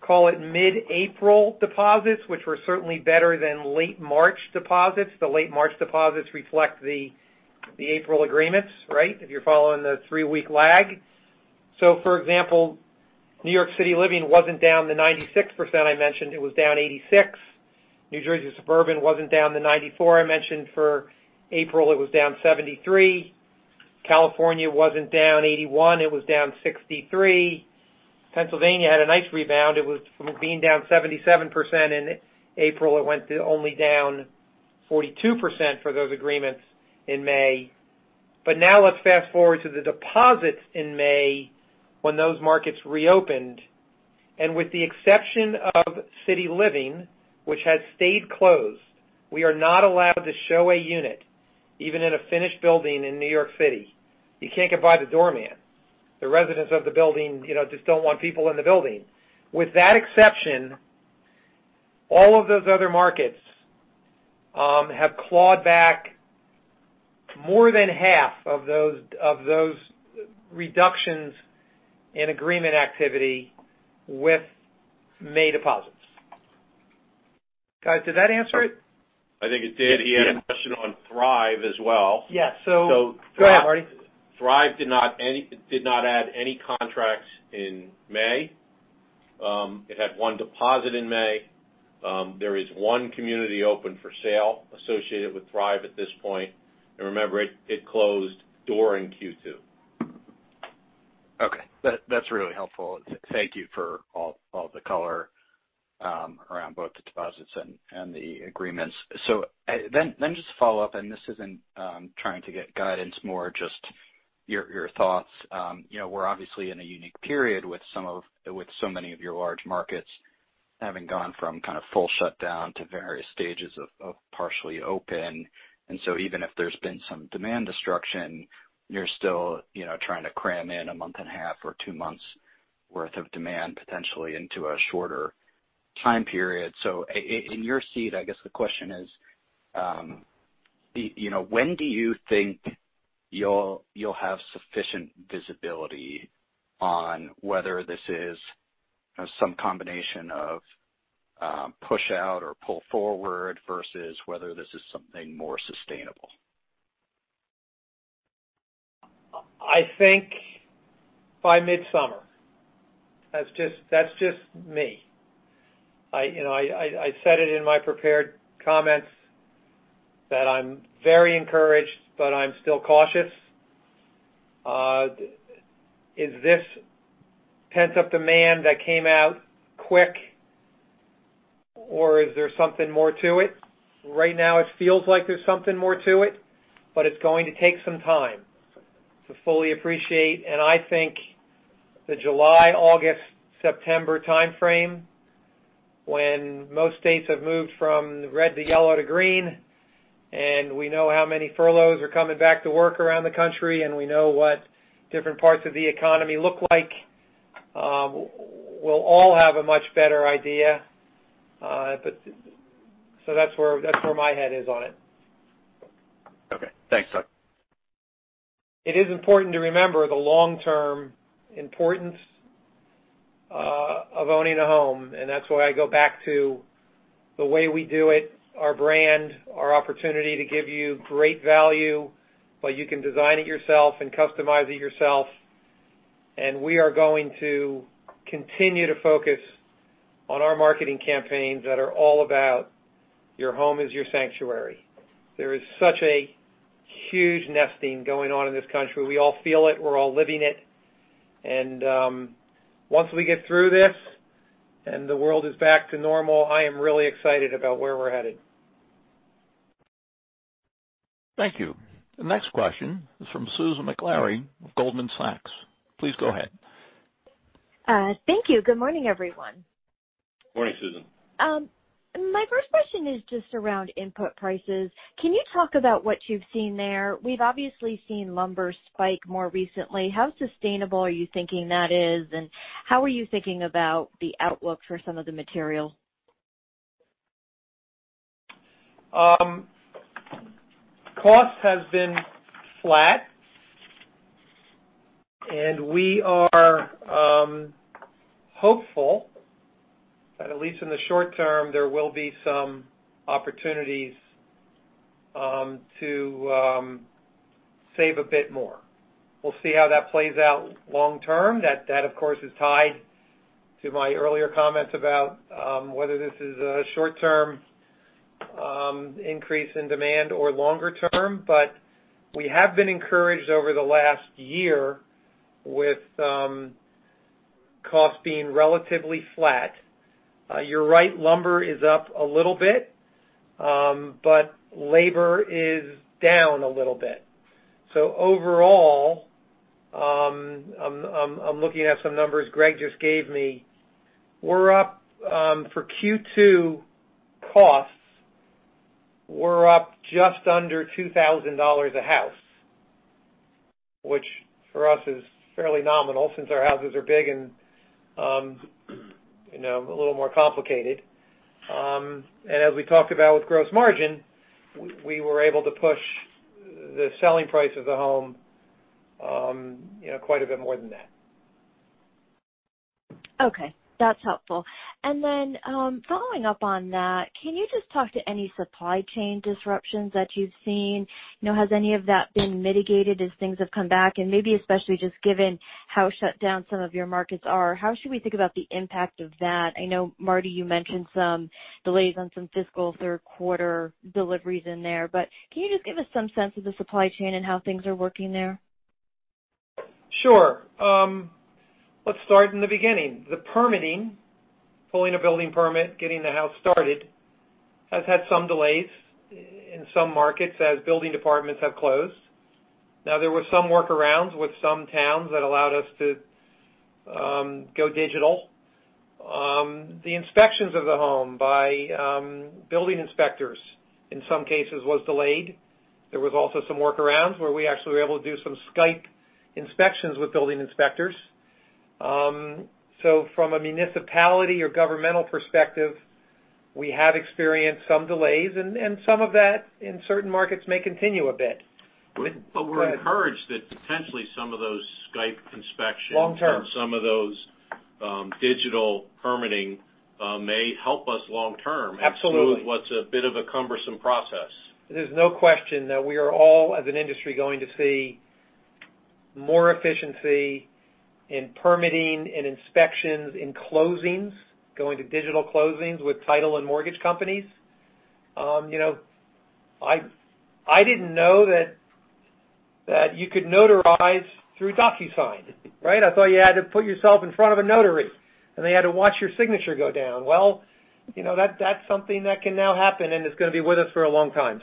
call it, mid-April deposits, which were certainly better than late March deposits. The late March deposits reflect the April agreements, right? If you're following the three-week lag. For example, New York City Living wasn't down the 96% I mentioned, it was down 86%. New Jersey Suburban wasn't down the 94% I mentioned for April, it was down 73%. California wasn't down 81%, it was down 63%. Pennsylvania had a nice rebound. It was from being down 77% in April, it went to only down 42% for those agreements in May. Now let's fast-forward to the deposits in May when those markets reopened. With the exception of City Living, which has stayed closed, we are not allowed to show a unit, even in a finished building in New York City. You can't get by the doorman. The residents of the building just don't want people in the building. With that exception, all of those other markets have clawed back more than half of those reductions in agreement activity with May deposits. Guys, did that answer it? I think it did. He had a question on Thrive as well. Yeah. Go ahead, Marty. Thrive did not add any contracts in May. It had one deposit in May. There is one community open for sale associated with Thrive at this point. Remember, it closed door in Q2. Okay. That's really helpful. Thank you for all the color around both the deposits and the agreements. Just to follow up, and this isn't trying to get guidance, more just your thoughts. We're obviously in a unique period with so many of your large markets having gone from kind of full shutdown to various stages of partially open. Even if there's been some demand destruction, you're still trying to cram in a month and a half or two months worth of demand, potentially, into a shorter time period. In your seat, I guess the question is, when do you think you'll have sufficient visibility on whether this is some combination of push out or pull forward versus whether this is something more sustainable? I think by mid-summer. That's just me. I said it in my prepared comments that I'm very encouraged, but I'm still cautious. Is this pent-up demand that came out quick or is there something more to it? Right now it feels like there's something more to it, but it's going to take some time to fully appreciate. I think the July, August, September timeframe, when most states have moved from red to yellow to green, and we know how many furloughs are coming back to work around the country, and we know what different parts of the economy look like, we'll all have a much better idea. That's where my head is on it. Okay. Thanks, Doug. It is important to remember the long-term importance of owning a home, and that's why I go back to the way we do it, our brand, our opportunity to give you great value, but you can design it yourself and customize it yourself. We are going to continue to focus on our marketing campaigns that are all about your home is your sanctuary. There is such a huge nesting going on in this country. We all feel it. We're all living it. Once we get through this, and the world is back to normal, I am really excited about where we're headed. Thank you. The next question is from Susan Maklari of Goldman Sachs. Please go ahead. Thank you. Good morning, everyone. Morning, Susan. My first question is just around input prices. Can you talk about what you've seen there? We've obviously seen lumber spike more recently. How sustainable are you thinking that is, and how are you thinking about the outlook for some of the material? Cost has been flat, and we are hopeful that at least in the short term, there will be some opportunities to save a bit more. We'll see how that plays out long term. That, of course, is tied to my earlier comments about whether this is a short-term increase in demand or longer term, but we have been encouraged over the last year with cost being relatively flat. You're right, lumber is up a little bit, but labor is down a little bit. Overall, I'm looking at some numbers Gregg just gave me. For Q2 costs, we're up just under $2,000 a house, which for us is fairly nominal since our houses are big and a little more complicated. As we talked about with gross margin, we were able to push the selling price of the home quite a bit more than that. Okay, that's helpful. Following up on that, can you just talk to any supply chain disruptions that you've seen? Has any of that been mitigated as things have come back? Maybe especially just given how shut down some of your markets are, how should we think about the impact of that? I know, Marty, you mentioned some delays on some fiscal third quarter deliveries in there. Can you just give us some sense of the supply chain and how things are working there? Sure. Let's start in the beginning. The permitting, pulling a building permit, getting the house started, has had some delays in some markets as building departments have closed. There were some workarounds with some towns that allowed us to go digital. The inspections of the home by building inspectors, in some cases, was delayed. There was also some workarounds where we actually were able to do some Skype inspections with building inspectors. From a municipality or governmental perspective, we have experienced some delays, and some of that in certain markets may continue a bit. We're encouraged that potentially some of those Skype inspections. Long-term Some of those digital permitting may help us long term. Absolutely improve what's a bit of a cumbersome process. There's no question that we are all, as an industry, going to see more efficiency in permitting, in inspections, in closings, going to digital closings with title and mortgage companies. I didn't know that you could notarize through DocuSign. Right? I thought you had to put yourself in front of a notary, and they had to watch your signature go down. Well, that's something that can now happen, and it's going to be with us for a long time.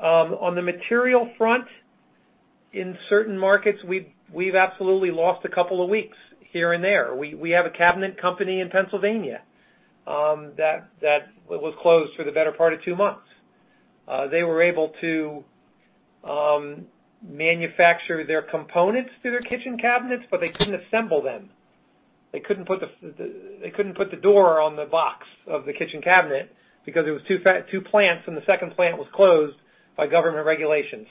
On the material front, in certain markets, we've absolutely lost a couple of weeks here and there. We have a cabinet company in Pennsylvania that was closed for the better part of two months. They were able to manufacture their components to their kitchen cabinets, but they couldn't assemble them. They couldn't put the door on the box of the kitchen cabinet because it was two plants, and the second plant was closed by government regulation.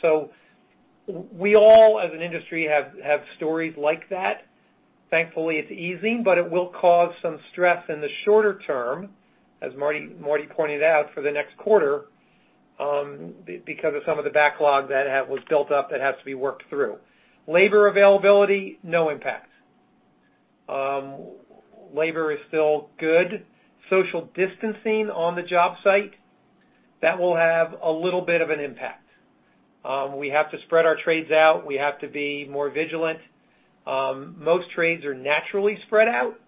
We all, as an industry, have stories like that. Thankfully, it's easing. It will cause some stress in the shorter term, as Marty pointed out, for the next quarter because of some of the backlog that was built up that has to be worked through. Labor availability, no impact. Labor is still good. Social distancing on the job site, that will have a little bit of an impact. We have to spread our trades out. We have to be more vigilant. Most trades are naturally spread out,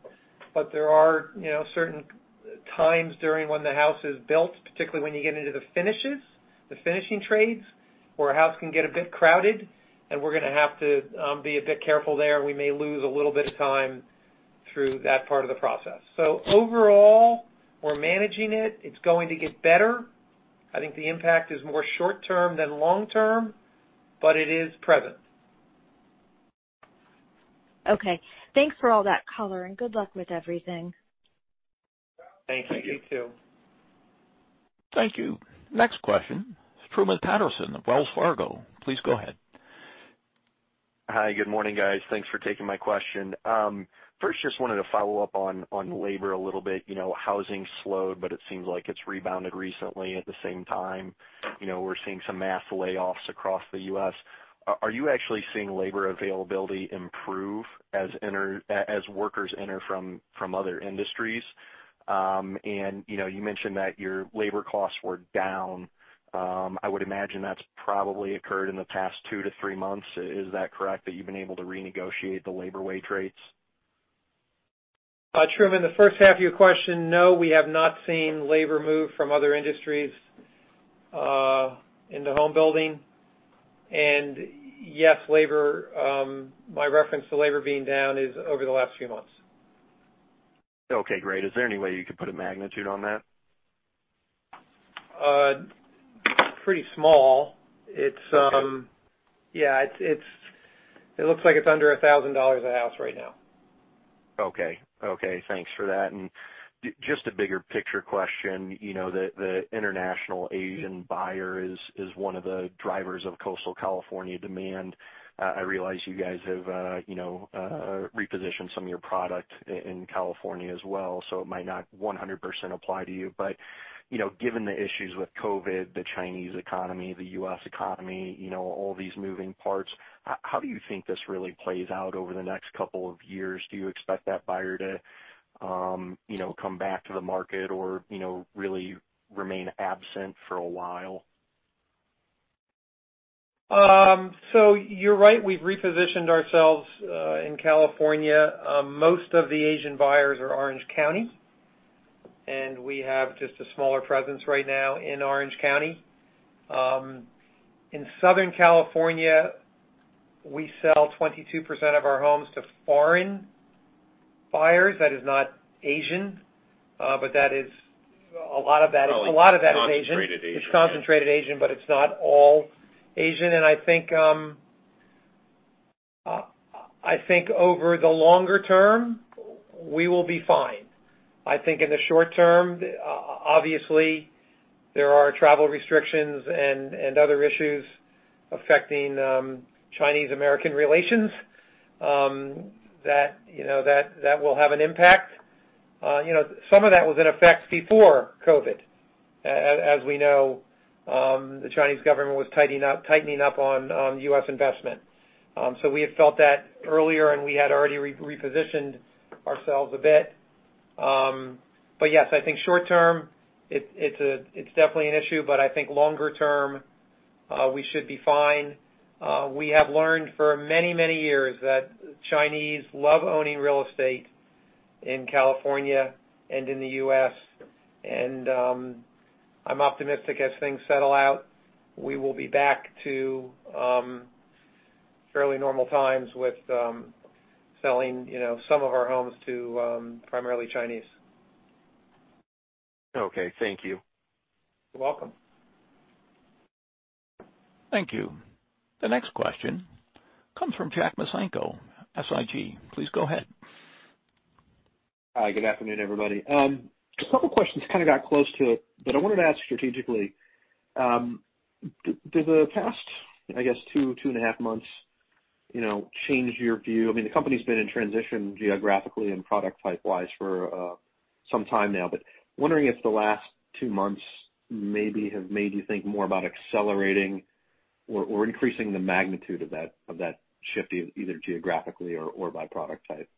but there are certain times during when the house is built, particularly when you get into the finishes, the finishing trades, where a house can get a bit crowded, and we're going to have to be a bit careful there. We may lose a little bit of time through that part of the process. Overall, we're managing it. It's going to get better. I think the impact is more short-term than long-term, but it is present. Okay. Thanks for all that color, and good luck with everything. Thank you. You too. Thank you. Next question, Truman Patterson of Wells Fargo. Please go ahead. Hi. Good morning, guys. Thanks for taking my question. First, just wanted to follow up on labor a little bit. Housing slowed, but it seems like it's rebounded recently. At the same time, we're seeing some mass layoffs across the U.S. Are you actually seeing labor availability improve as workers enter from other industries? You mentioned that your labor costs were down. I would imagine that's probably occurred in the past 2-3 months. Is that correct, that you've been able to renegotiate the labor wage rates? Truman, the first half of your question, no, we have not seen labor move from other industries into home building. Yes, my reference to labor being down is over the last few months. Okay, great. Is there any way you could put a magnitude on that? Pretty small. Yeah. It looks like it's under $1,000 a house right now. Okay. Thanks for that. Just a bigger picture question. The international Asian buyer is one of the drivers of coastal California demand. I realize you guys have repositioned some of your product in California as well, so it might not 100% apply to you. Given the issues with COVID-19, the Chinese economy, the U.S. economy, all these moving parts, how do you think this really plays out over the next couple of years? Do you expect that buyer to come back to the market or really remain absent for a while? You're right, we've repositioned ourselves in California. Most of the Asian buyers are Orange County, and we have just a smaller presence right now in Orange County. In Southern California, we sell 22% of our homes to foreign buyers that is not Asian, but a lot of that is Asian. Concentrated Asian. It's concentrated Asian, but it's not all Asian. I think over the longer term, we will be fine. I think in the short term, obviously, there are travel restrictions and other issues affecting Chinese-American relations that will have an impact. Some of that was in effect before COVID. As we know, the Chinese government was tightening up on U.S. investment. We had felt that earlier, and we had already repositioned ourselves a bit. Yes, I think short term, it's definitely an issue, but I think longer term, we should be fine. We have learned for many, many years that Chinese love owning real estate in California and in the U.S., and I'm optimistic as things settle out, we will be back to fairly normal times with selling some of our homes to primarily Chinese. Okay, thank you. You're welcome. Thank you. The next question comes from Jack Micenko, SIG. Please go ahead. Hi, good afternoon, everybody. A couple questions kind of got close to it, but I wanted to ask strategically, did the past, I guess, two and a half months change your view? I mean, the company's been in transition geographically and product type wise for some time now, but wondering if the last two months maybe have made you think more about accelerating or increasing the magnitude of that shift, either geographically or by product type.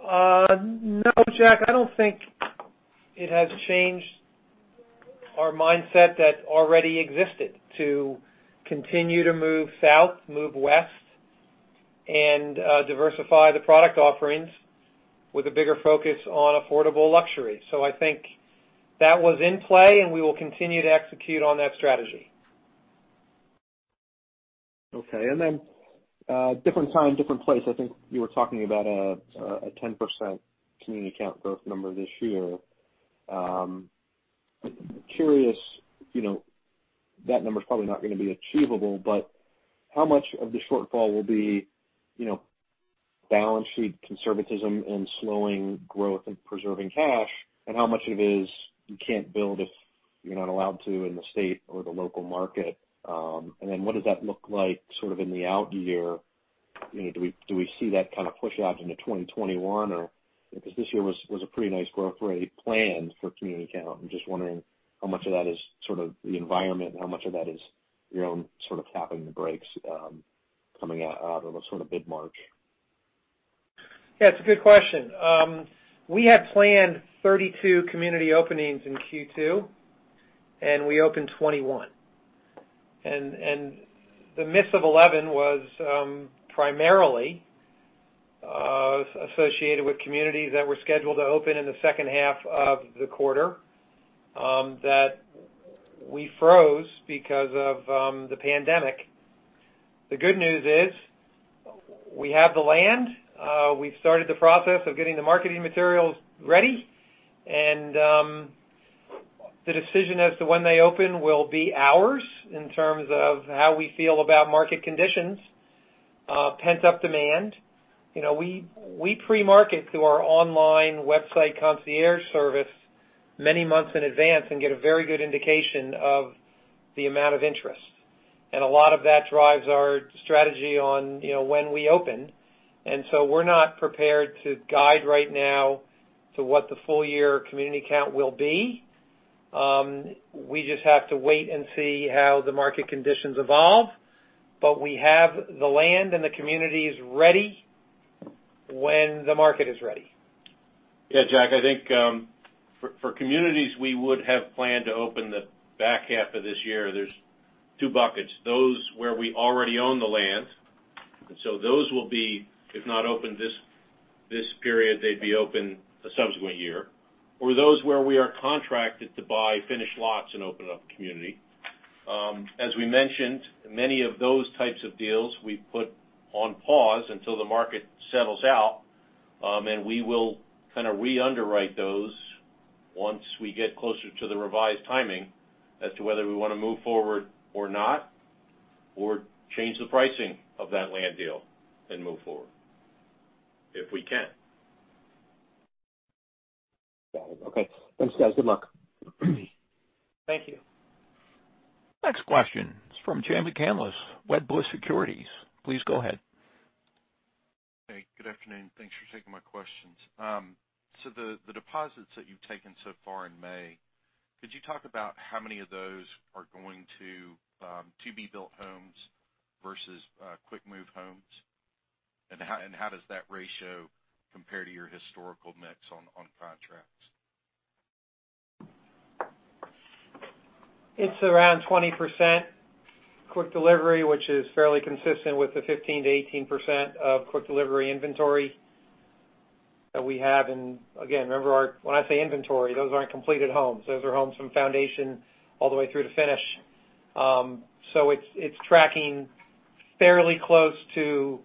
No, Jack, I don't think it has changed our mindset that already existed to continue to move south, move west, and diversify the product offerings with a bigger focus on affordable luxury. I think that was in play, and we will continue to execute on that strategy. Okay, different time, different place. I think you were talking about a 10% community count growth number this year. Curious, that number's probably not going to be achievable, but how much of the shortfall will be balance sheet conservatism and slowing growth and preserving cash, and how much of it is you can't build if you're not allowed to in the state or the local market? What does that look like sort of in the out year? Do we see that kind of push out into 2021, or because this year was a pretty nice growth rate planned for community count? I'm just wondering how much of that is sort of the environment and how much of that is your own sort of tapping the brakes coming out of a sort of big March. Yeah, it's a good question. We had planned 32 community openings in Q2, and we opened 21. The miss of 11 was primarily associated with communities that were scheduled to open in the second half of the quarter that we froze because of the pandemic. The good news is we have the land. We've started the process of getting the marketing materials ready, and the decision as to when they open will be ours in terms of how we feel about market conditions, pent-up demand. We pre-market through our online website concierge service many months in advance and get a very good indication of the amount of interest. A lot of that drives our strategy on when we open. We're not prepared to guide right now to what the full year community count will be. We just have to wait and see how the market conditions evolve, but we have the land and the communities ready when the market is ready. Yeah, Jack, I think for communities we would have planned to open the back half of this year, there's two buckets. Those where we already own the land, those will be, if not open this period, they'd be open a subsequent year. Those where we are contracted to buy finished lots and open up a community. As we mentioned, many of those types of deals we put on pause until the market settles out, we will kind of re-underwrite those once we get closer to the revised timing as to whether we want to move forward or not, or change the pricing of that land deal and move forward if we can. Got it. Okay. Thanks, guys. Good luck. Thank you. Next question from Jay McCanless, Wedbush Securities. Please go ahead. Good afternoon. Thanks for taking my questions. The deposits that you've taken so far in May, could you talk about how many of those are going to to-be-built homes versus quick move homes? How does that ratio compare to your historical mix on contracts? It's around 20% quick delivery, which is fairly consistent with the 15%-18% of quick delivery inventory that we have in, again, remember our, when I say inventory, those aren't completed homes. Those are homes from foundation all the way through to finish. It's tracking fairly close to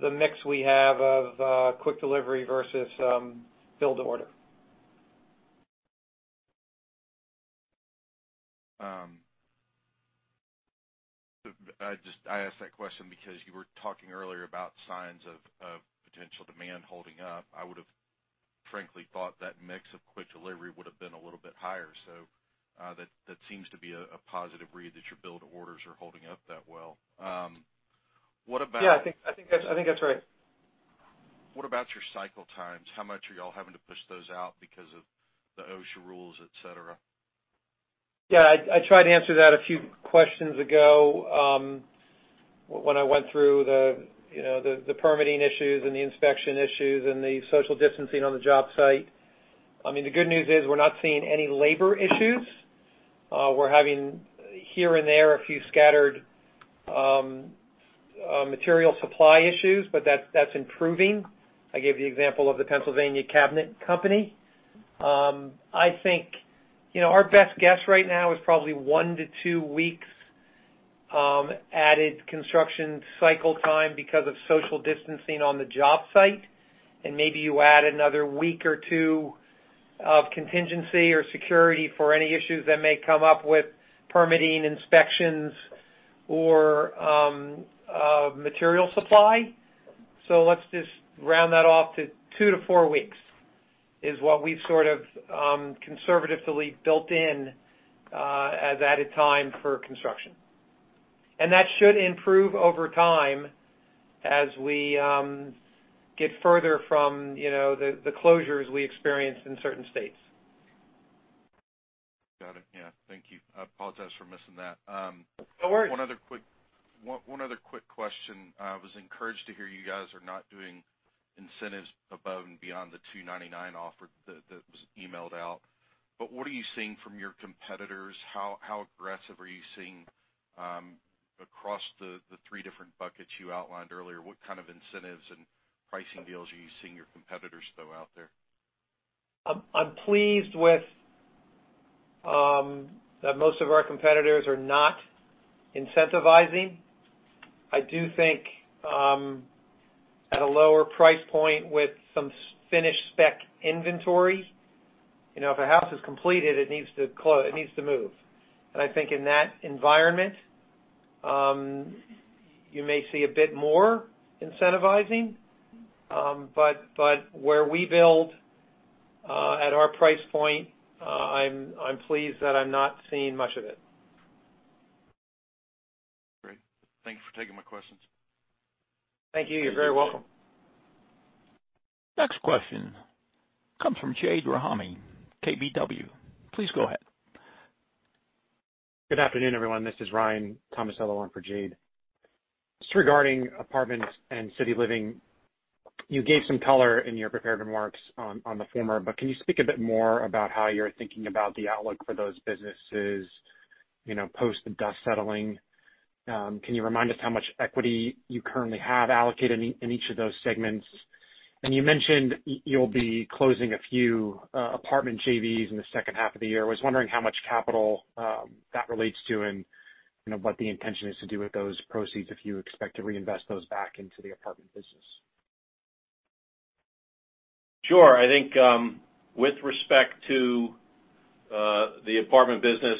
the mix we have of quick delivery versus build to order. I asked that question because you were talking earlier about signs of potential demand holding up. I would've frankly thought that mix of quick delivery would've been a little bit higher. That seems to be a positive read that your build to orders are holding up that well. What about? Yeah, I think that's right. What about your cycle times? How much are y'all having to push those out because of the OSHA rules, et cetera? I tried to answer that a few questions ago, when I went through the permitting issues and the inspection issues and the social distancing on the job site. I mean, the good news is we're not seeing any labor issues. We're having here and there a few scattered material supply issues, but that's improving. I gave the example of the Pennsylvania Cabinet Company. I think, our best guess right now is probably one to two weeks, added construction cycle time because of social distancing on the job site. Maybe you add another week or two of contingency or security for any issues that may come up with permitting inspections or material supply. Let's just round that off to two to four weeks, is what we've sort of conservatively built in, as added time for construction. That should improve over time as we get further from the closures we experienced in certain states. Got it. Yeah. Thank you. I apologize for missing that. No worries. One other quick question. I was encouraged to hear you guys are not doing incentives above and beyond the 299 offer that was emailed out. What are you seeing from your competitors? How aggressive are you seeing, across the three different buckets you outlined earlier? What kind of incentives and pricing deals are you seeing your competitors throw out there? I'm pleased with that most of our competitors are not incentivizing. I do think, at a lower price point with some finished spec inventory, if a house is completed, it needs to move. I think in that environment, you may see a bit more incentivizing. Where we build, at our price point, I'm pleased that I'm not seeing much of it. Great. Thank you for taking my questions. Thank you. You're very welcome. Next question comes from Jade Rahmani, KBW. Please go ahead. Good afternoon, everyone. This is Ryan Tomasello on for Jade. Just regarding Apartment Living and City Living, you gave some color in your prepared remarks on the former, but can you speak a bit more about how you're thinking about the outlook for those businesses, post the dust settling? Can you remind us how much equity you currently have allocated in each of those segments? You mentioned you'll be closing a few Apartment Living JVs in the second half of the year. I was wondering how much capital that relates to and what the intention is to do with those proceeds, if you expect to reinvest those back into the Apartment Living business. Sure. I think, with respect to the Apartment Living business,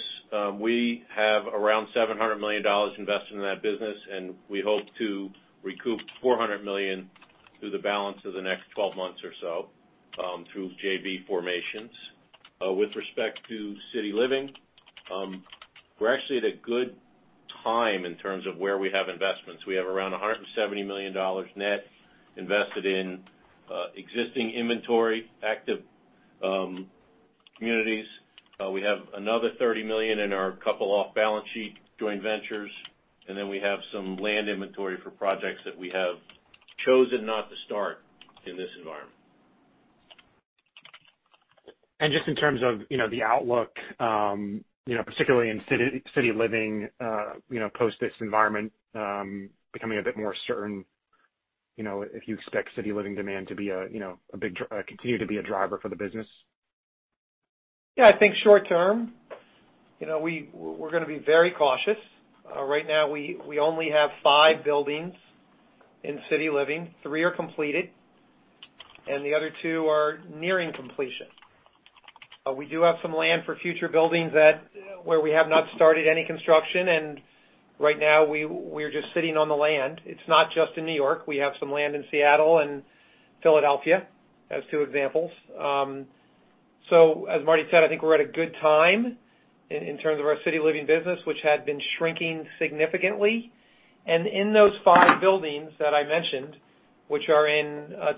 we have around $700 million invested in that business, and we hope to recoup $400 million through the balance of the next 12 months or so, through JV formations. With respect to City Living, we're actually at a good time in terms of where we have investments. We have around $170 million net invested in existing inventory, active communities. We have another $30 million in our couple off-balance sheet joint ventures, and then we have some land inventory for projects that we have chosen not to start in this environment. Just in terms of the outlook, particularly in City Living, post this environment, becoming a bit more certain, if you expect City Living demand to continue to be a driver for the business? Yeah, I think short term, we're going to be very cautious. Right now, we only have five buildings in City Living. Three are completed and the other two are nearing completion. We do have some land for future buildings where we have not started any construction, and right now we are just sitting on the land. It's not just in New York. We have some land in Seattle and Philadelphia as two examples. As Marty said, I think we're at a good time in terms of our City Living business, which had been shrinking significantly. In those those buildings that I mentioned,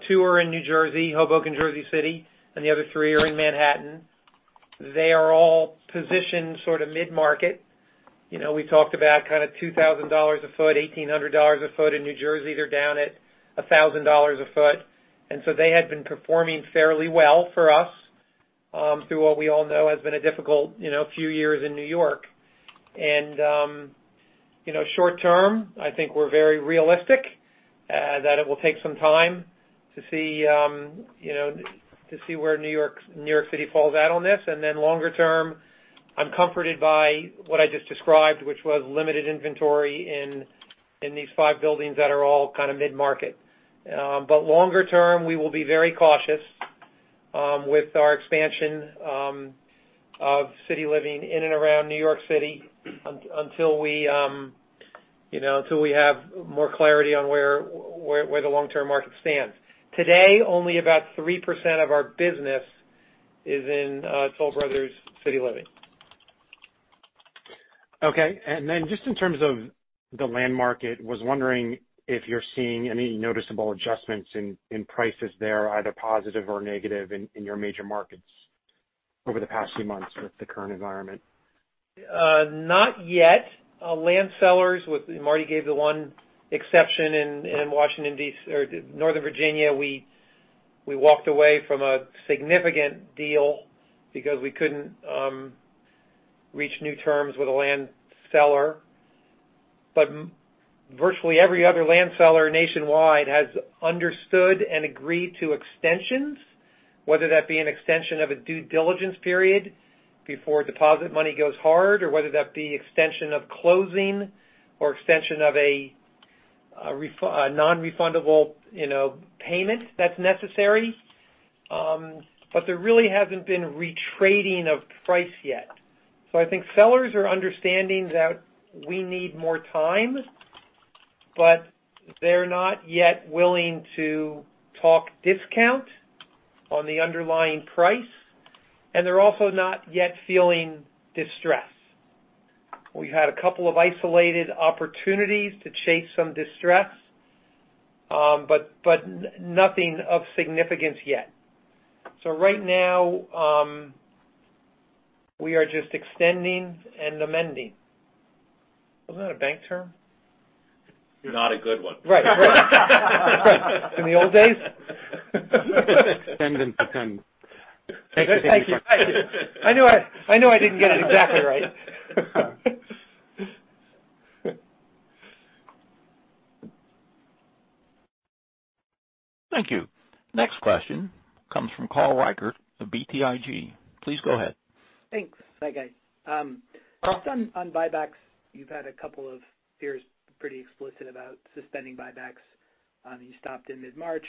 two are in New Jersey, Hoboken, Jersey City, and the other three are in Manhattan. They are all positioned sort of mid-market. We talked about kind of $2,000 a foot, $1,800 a foot in New Jersey. They're down at $1,000 a foot. They had been performing fairly well for us through what we all know has been a difficult few years in New York. Short-term, I think we're very realistic that it will take some time to see where New York City falls out on this. Longer-term, I'm comforted by what I just described, which was limited inventory in these five buildings that are all kind of mid-market. Longer-term, we will be very cautious with our expansion of City Living in and around New York City until we have more clarity on where the long-term market stands. Today, only about 3% of our business is in Toll Brothers City Living. Okay. Just in terms of the land market, was wondering if you're seeing any noticeable adjustments in prices there, either positive or negative in your major markets over the past few months with the current environment? Not yet. Land sellers. Marty gave the one exception in Northern Virginia. We walked away from a significant deal because we couldn't reach new terms with a land seller. Virtually every other land seller nationwide has understood and agreed to extensions, whether that be an extension of a due diligence period before deposit money goes hard, or whether that be extension of closing or extension of a non-refundable payment that's necessary. There really hasn't been retrading of price yet. I think sellers are understanding that we need more time, but they're not yet willing to talk discount on the underlying price. They're also not yet feeling distressed. We've had a couple of isolated opportunities to chase some distress, but nothing of significance yet. Right now, we are just extending and amending. Was that a bank term? Not a good one. Right. In the old days? Extend and pretend. Thank you. I knew I didn't get it exactly right. Thank you. Next question comes from Carl Reichardt of BTIG. Please go ahead. Thanks. Hi, guys. Just on buybacks, you've had a couple of peers, pretty explicit about suspending buybacks. You stopped in mid-March.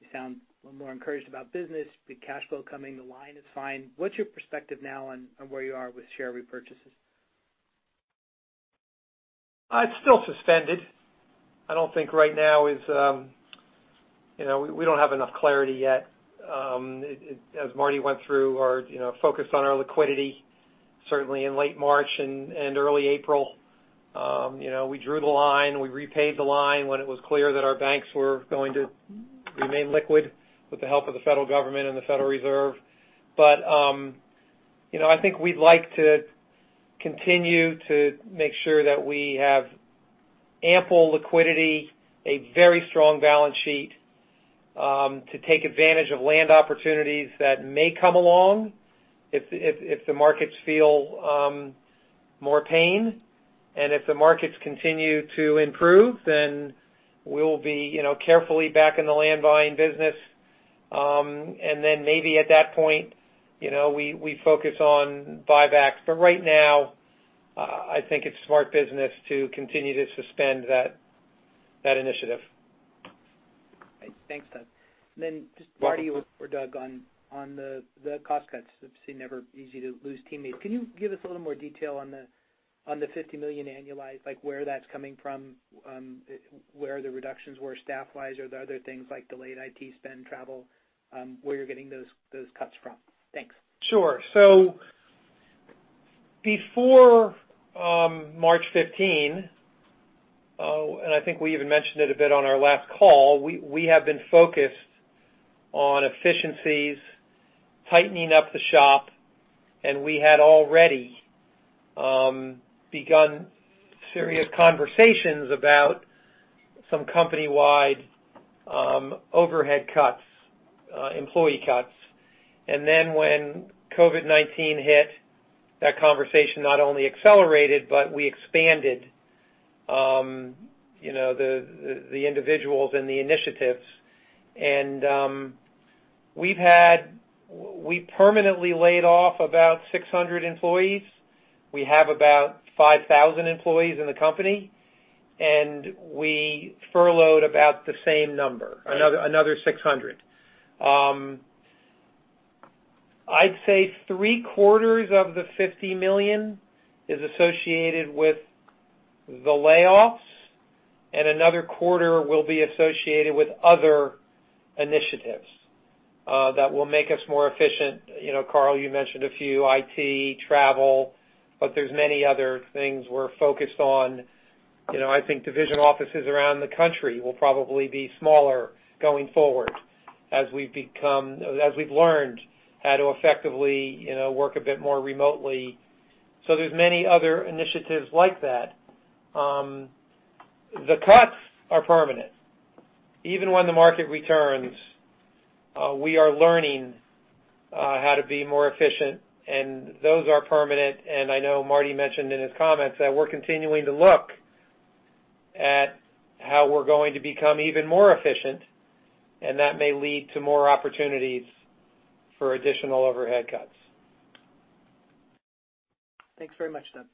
You sound a little more encouraged about business, the cash flow coming, the line is fine. What's your perspective now on where you are with share repurchases? It's still suspended. I don't think right now. We don't have enough clarity yet. As Marty went through our focus on our liquidity, certainly in late March and early April. We drew the line. We repaved the line when it was clear that our banks were going to remain liquid with the help of the federal government and the Federal Reserve. I think we'd like to continue to make sure that we have ample liquidity, a very strong balance sheet, to take advantage of land opportunities that may come along if the markets feel more pain. If the markets continue to improve, then we'll be carefully back in the land buying business. Then maybe at that point, we focus on buybacks. Right now, I think it's smart business to continue to suspend that initiative. Thanks, Doug. Marty or Doug on the cost cuts. Obviously never easy to lose teammates. Can you give us a little more detail on the $50 million annualized, like where that's coming from, where the reductions were staff-wise? Are there other things like delayed IT spend, travel, where you're getting those cuts from? Thanks. Sure. Before March 15, I think we even mentioned it a bit on our last call, we have been focused on efficiencies, tightening up the shop, we had already begun serious conversations about some company-wide overhead cuts, employee cuts. When COVID-19 hit, that conversation not only accelerated, but we expanded the individuals and the initiatives. We permanently laid off about 600 employees. We have about 5,000 employees in the company, and we furloughed about the same number, another 600. I'd say 3/4 of the $50 million is associated with the layoffs, and another 1/4 will be associated with other initiatives that will make us more efficient. Carl, you mentioned a few, IT, travel, there's many other things we're focused on. I think division offices around the country will probably be smaller going forward as we've learned how to effectively work a bit more remotely. There's many other initiatives like that. The cuts are permanent. Even when the market returns, we are learning how to be more efficient, and those are permanent. I know Marty mentioned in his comments that we're continuing to look at how we're going to become even more efficient, and that may lead to more opportunities for additional overhead cuts. Thanks very much, Doug.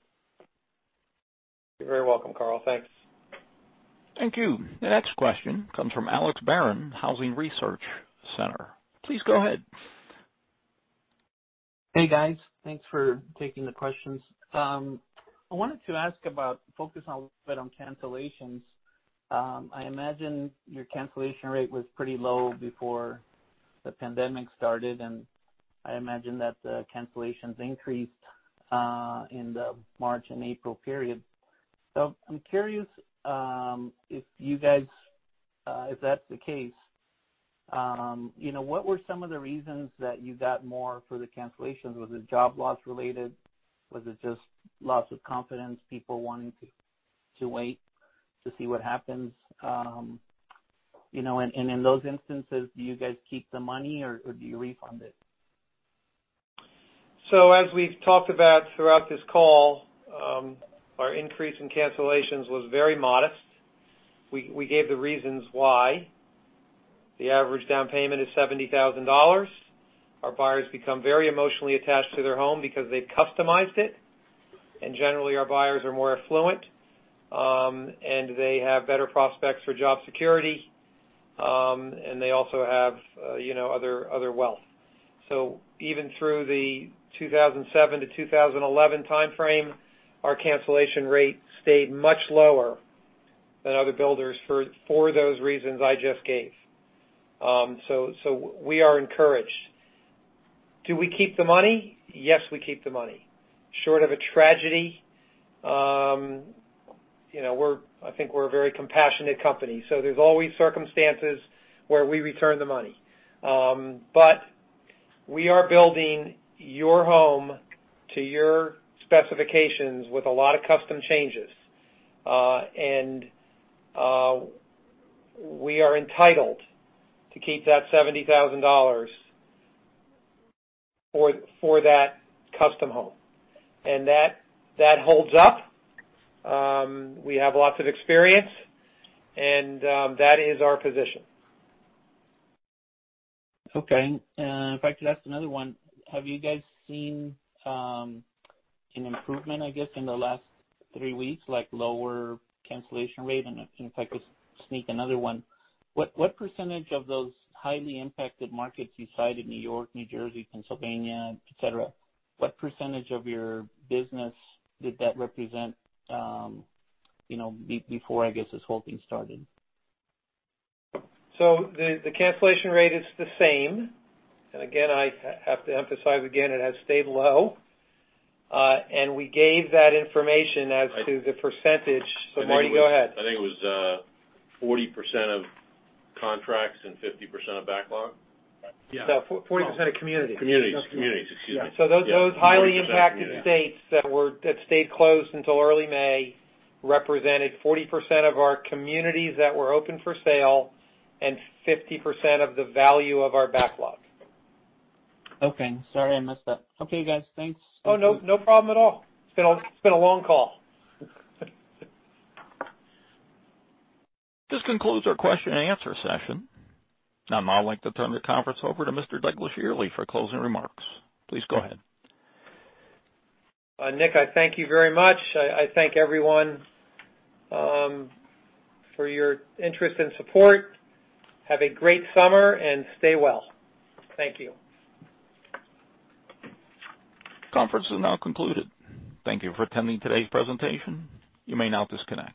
You're very welcome, Carl. Thanks. Thank you. The next question comes from Alex Barron, Housing Research Center. Please go ahead. Hey, guys. Thanks for taking the questions. I wanted to focus a little bit on cancellations. I imagine your cancellation rate was pretty low before the pandemic started, and I imagine that the cancellations increased in the March and April period. I'm curious, if that's the case, what were some of the reasons that you got more for the cancellations? Was it job loss related? Was it just loss of confidence, people wanting to wait to see what happens? In those instances, do you guys keep the money, or do you refund it? As we've talked about throughout this call, our increase in cancellations was very modest. We gave the reasons why. The average down payment is $70,000. Our buyers become very emotionally attached to their home because they've customized it, and generally, our buyers are more affluent, and they have better prospects for job security, and they also have other wealth. Even through the 2007 to 2011 timeframe, our cancellation rate stayed much lower than other builders for those reasons I just gave. We are encouraged. Do we keep the money? Yes, we keep the money. Short of a tragedy, I think we're a very compassionate company, so there's always circumstances where we return the money. We are building your home to your specifications with a lot of custom changes. We are entitled to keep that $70,000 for that custom home. That holds up. We have lots of experience, and that is our position. Okay. If I could ask another one, have you guys seen an improvement, I guess, in the last three weeks, like lower cancellation rate? If I could sneak another one, what percentage of those highly impacted markets you cited, New York, New Jersey, Pennsylvania, et cetera, what percentage of your business did that represent before, I guess, this whole thing started? The cancellation rate is the same. Again, I have to emphasize again, it has stayed low. We gave that information as to the percentage. Marty, go ahead. I think it was 40% of contracts and 50% of backlog. Yeah. 40% of communities. Communities, excuse me. Those highly impacted states that stayed closed until early May represented 40% of our communities that were open for sale and 50% of the value of our backlog. Okay. Sorry, I missed that. Okay, guys. Thanks. Oh, no problem at all. It's been a long call. This concludes our question-and-answer session. I'd now like to turn the conference over to Mr. Douglas Yearley for closing remarks. Please go ahead. Nick, I thank you very much. I thank everyone for your interest and support. Have a great summer and stay well. Thank you. Conference is now concluded. Thank you for attending today's presentation. You may now disconnect.